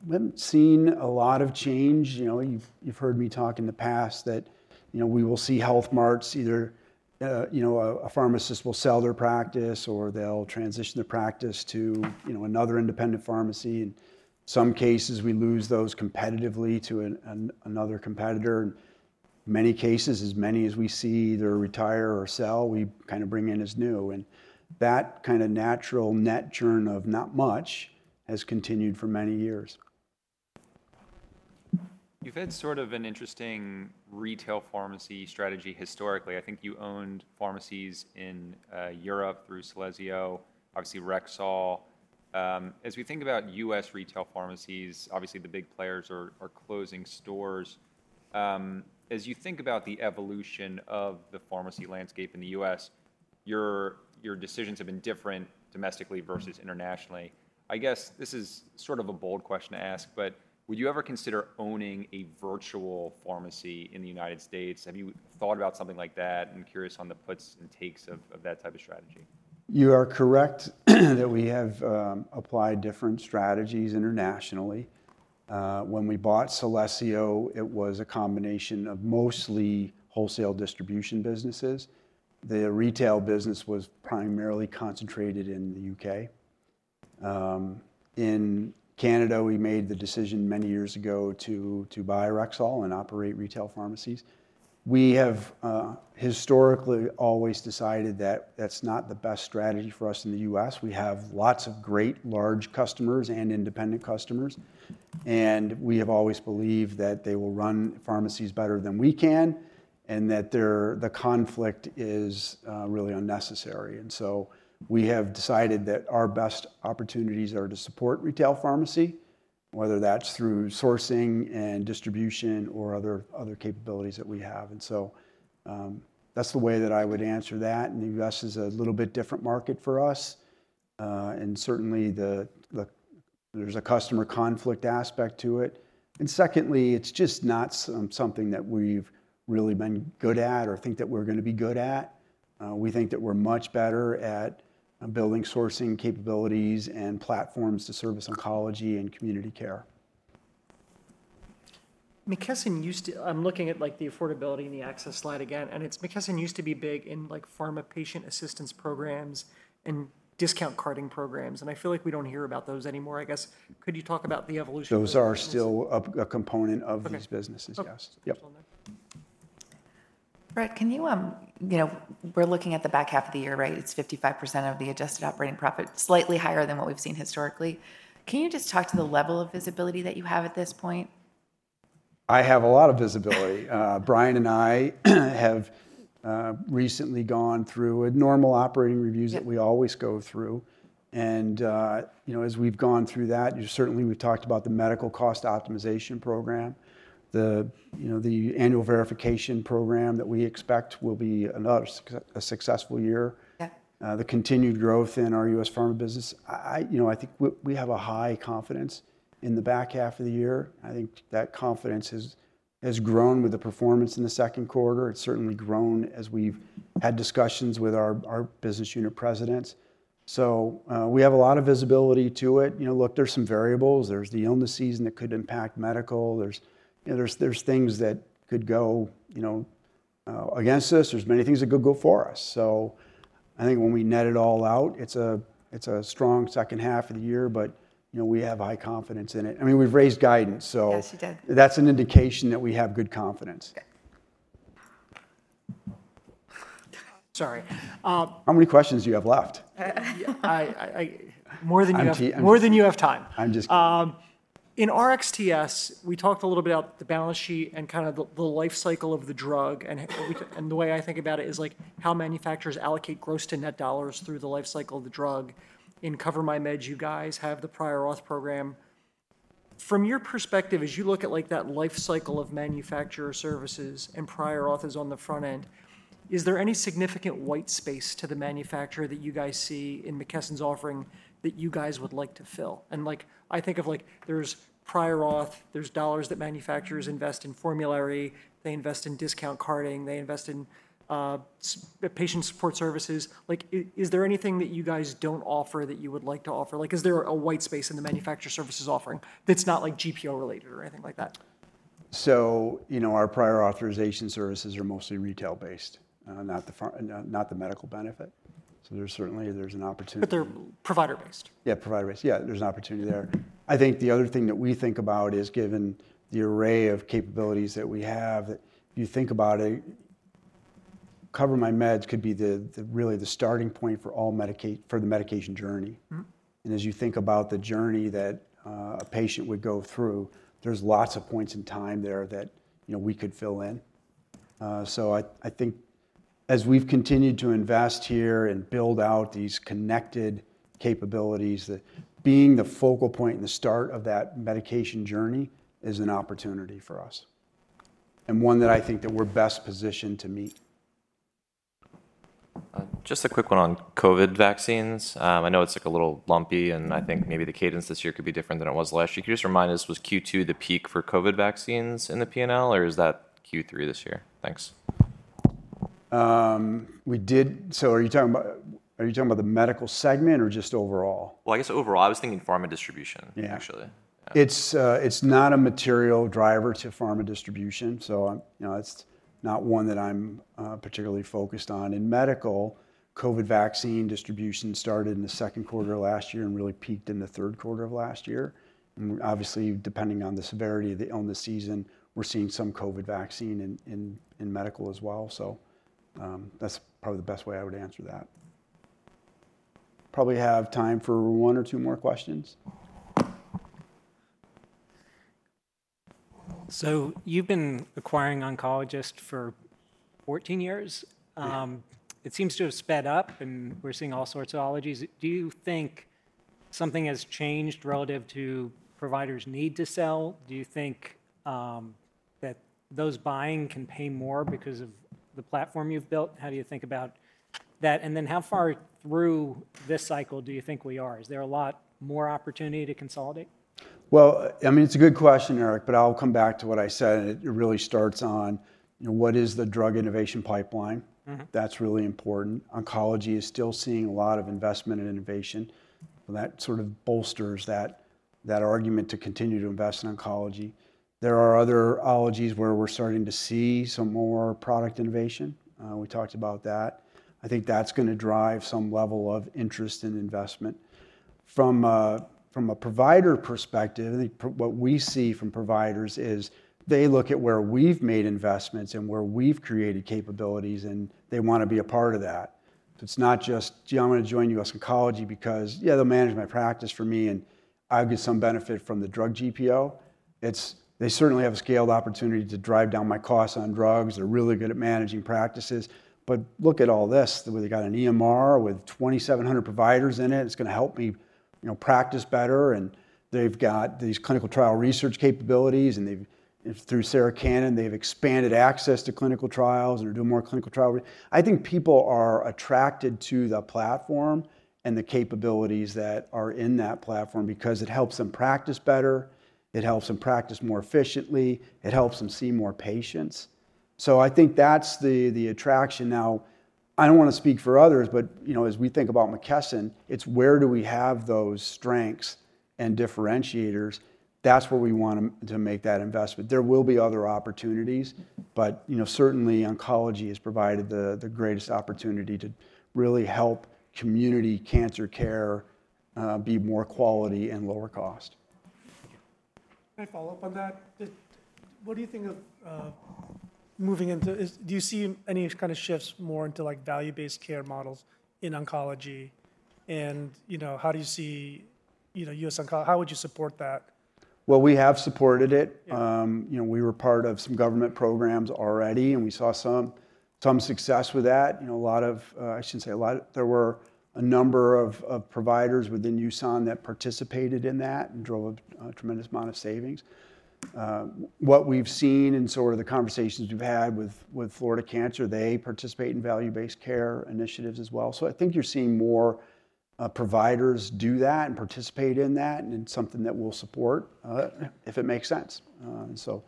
we haven't seen a lot of change. You've heard me talk in the past that we will see Health Marts, either a pharmacist will sell their practice or they'll transition their practice to another independent pharmacy. In some cases, we lose those competitively to another competitor. In many cases, as many as we see either retire or sell, we kind of bring in as new. And that kind of natural net churn of not much has continued for many years. You've had sort of an interesting retail pharmacy strategy historically. I think you owned pharmacies in Europe through Celesio, obviously Rexall. As we think about U.S. retail pharmacies, obviously, the big players are closing stores. As you think about the evolution of the pharmacy landscape in the U.S., your decisions have been different domestically versus internationally. I guess this is sort of a bold question to ask, but would you ever consider owning a virtual pharmacy in the United States? Have you thought about something like that? I'm curious on the puts and takes of that type of strategy. You are correct that we have applied different strategies internationally. When we bought Celesio, it was a combination of mostly wholesale distribution businesses. The retail business was primarily concentrated in the U.K. In Canada, we made the decision many years ago to buy Rexall and operate retail pharmacies. We have historically always decided that that's not the best strategy for us in the U.S. We have lots of great large customers and independent customers. And we have always believed that they will run pharmacies better than we can and that the conflict is really unnecessary. And so we have decided that our best opportunities are to support retail pharmacy, whether that's through sourcing and distribution or other capabilities that we have. And so that's the way that I would answer that. And the U.S. is a little bit different market for us. And certainly, there's a customer conflict aspect to it. And secondly, it's just not something that we've really been good at or think that we're going to be good at. We think that we're much better at building sourcing capabilities and platforms to service oncology and community care. McKesson used to. I'm looking at the affordability and the access slide again. McKesson used to be big in pharma patient assistance programs and discount carding programs. I feel like we don't hear about those anymore. I guess, could you talk about the evolution? Those are still a component of these businesses, yes. Yep. Britt, can you? We're looking at the back half of the year, right? It's 55% of the adjusted operating profit, slightly higher than what we've seen historically. Can you just talk to the level of visibility that you have at this point? I have a lot of visibility. Brian and I have recently gone through normal operating reviews that we always go through. As we've gone through that, certainly, we've talked about the medical cost optimization program, the annual verification program that we expect will be a successful year, the continued growth in our U.S. pharma business. I think we have a high confidence in the back half of the year. I think that confidence has grown with the performance in the second quarter. It's certainly grown as we've had discussions with our business unit presidents. So we have a lot of visibility to it. Look, there's some variables. There's the illness season that could impact medical. There's things that could go against us. There's many things that could go for us. So I think when we net it all out, it's a strong second half of the year, but we have high confidence in it. I mean, we've raised guidance, so that's an indication that we have good confidence. Sorry. How many questions do you have left? More than you have time. I'm just kidding. In RxTS, we talked a little bit about the balance sheet and kind of the lifecycle of the drug. The way I think about it is how manufacturers allocate gross to net dollars through the lifecycle of the drug. In CoverMyMeds, you guys have the prior auth program. From your perspective, as you look at that lifecycle of manufacturer services and prior auth is on the front end, is there any significant white space to the manufacturer that you guys see in McKesson's offering that you guys would like to fill? And I think if there's prior auth, there's dollars that manufacturers invest in formulary, they invest in discount carding, they invest in patient support services. Is there anything that you guys don't offer that you would like to offer? Is there a white space in the manufacturer services offering that's not GPO-related or anything like that? Our prior authorization services are mostly retail-based, not the medical benefit. There's certainly an opportunity. But they're provider-based. Yeah, provider-based. Yeah, there's an opportunity there. I think the other thing that we think about is, given the array of capabilities that we have, if you think about it, CoverMyMeds could be really the starting point for the medication journey. And as you think about the journey that a patient would go through, there's lots of points in time there that we could fill in. So I think as we've continued to invest here and build out these connected capabilities, being the focal point and the start of that medication journey is an opportunity for us and one that I think that we're best positioned to meet. Just a quick one on COVID vaccines. I know it's a little lumpy, and I think maybe the cadence this year could be different than it was last year. Could you just remind us, was Q2 the peak for COVID vaccines in the P&L, or is that Q3 this year? Thanks. So are you talking about the medical segment or just overall? Well, I guess overall. I was thinking pharma distribution, actually. It's not a material driver to pharma distribution, so it's not one that I'm particularly focused on. In medical, COVID vaccine distribution started in the second quarter of last year and really peaked in the third quarter of last year. And obviously, depending on the severity of the illness season, we're seeing some COVID vaccine in medical as well. So that's probably the best way I would answer that. Probably have time for one or two more questions. So you've been acquiring oncologists for 14 years. It seems to have sped up, and we're seeing all sorts of alliances. Do you think something has changed relative to providers' need to sell? Do you think that those buying can pay more because of the platform you've built? How do you think about that? And then how far through this cycle do you think we are? Is there a lot more opportunity to consolidate? I mean, it's a good question, Eric, but I'll come back to what I said. It really starts on what is the drug innovation pipeline? That's really important. Oncology is still seeing a lot of investment and innovation. That sort of bolsters that argument to continue to invest in oncology. There are other areas where we're starting to see some more product innovation. We talked about that. I think that's going to drive some level of interest and investment. From a provider perspective, I think what we see from providers is they look at where we've made investments and where we've created capabilities, and they want to be a part of that. It's not just, "Gee, I want to join US Oncology because, yeah, they'll manage my practice for me, and I'll get some benefit from the drug GPO." They certainly have a scaled opportunity to drive down my costs on drugs. They're really good at managing practices. But look at all this. They got an EMR with 2,700 providers in it. It's going to help me practice better. And they've got these clinical trial research capabilities. And through Sarah Cannon, they've expanded access to clinical trials and are doing more clinical trials. I think people are attracted to the platform and the capabilities that are in that platform because it helps them practice better. It helps them practice more efficiently. It helps them see more patients. So I think that's the attraction. Now, I don't want to speak for others, but as we think about McKesson, it's where do we have those strengths and differentiators? That's where we want to make that investment. There will be other opportunities, but certainly, oncology has provided the greatest opportunity to really help community cancer care be more quality and lower cost. Can I follow up on that? What do you think of moving into? Do you see any kind of shifts more into value-based care models in oncology? And how do you see US Oncology? How would you support that? Well, we have supported it. We were part of some government programs already, and we saw some success with that. There were a number of providers within USON that participated in that and drove a tremendous amount of savings. What we've seen in sort of the conversations we've had with Florida Cancer, they participate in value-based care initiatives as well, so I think you're seeing more providers do that and participate in that and something that we'll support if it makes sense, so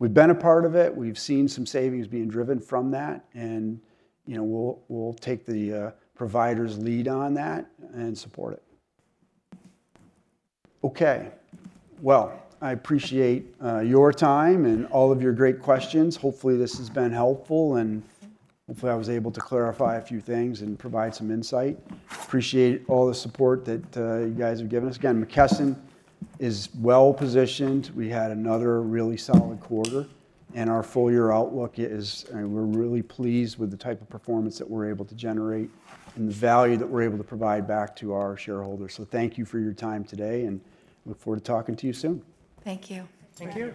we've been a part of it. We've seen some savings being driven from that, and we'll take the providers' lead on that and support it. Okay, well, I appreciate your time and all of your great questions. Hopefully, this has been helpful, and hopefully, I was able to clarify a few things and provide some insight. Appreciate all the support that you guys have given us. Again, McKesson is well-positioned. We had another really solid quarter, and our full-year outlook is, we're really pleased with the type of performance that we're able to generate and the value that we're able to provide back to our shareholders. So thank you for your time today, and look forward to talking to you soon. Thank you. Thank you.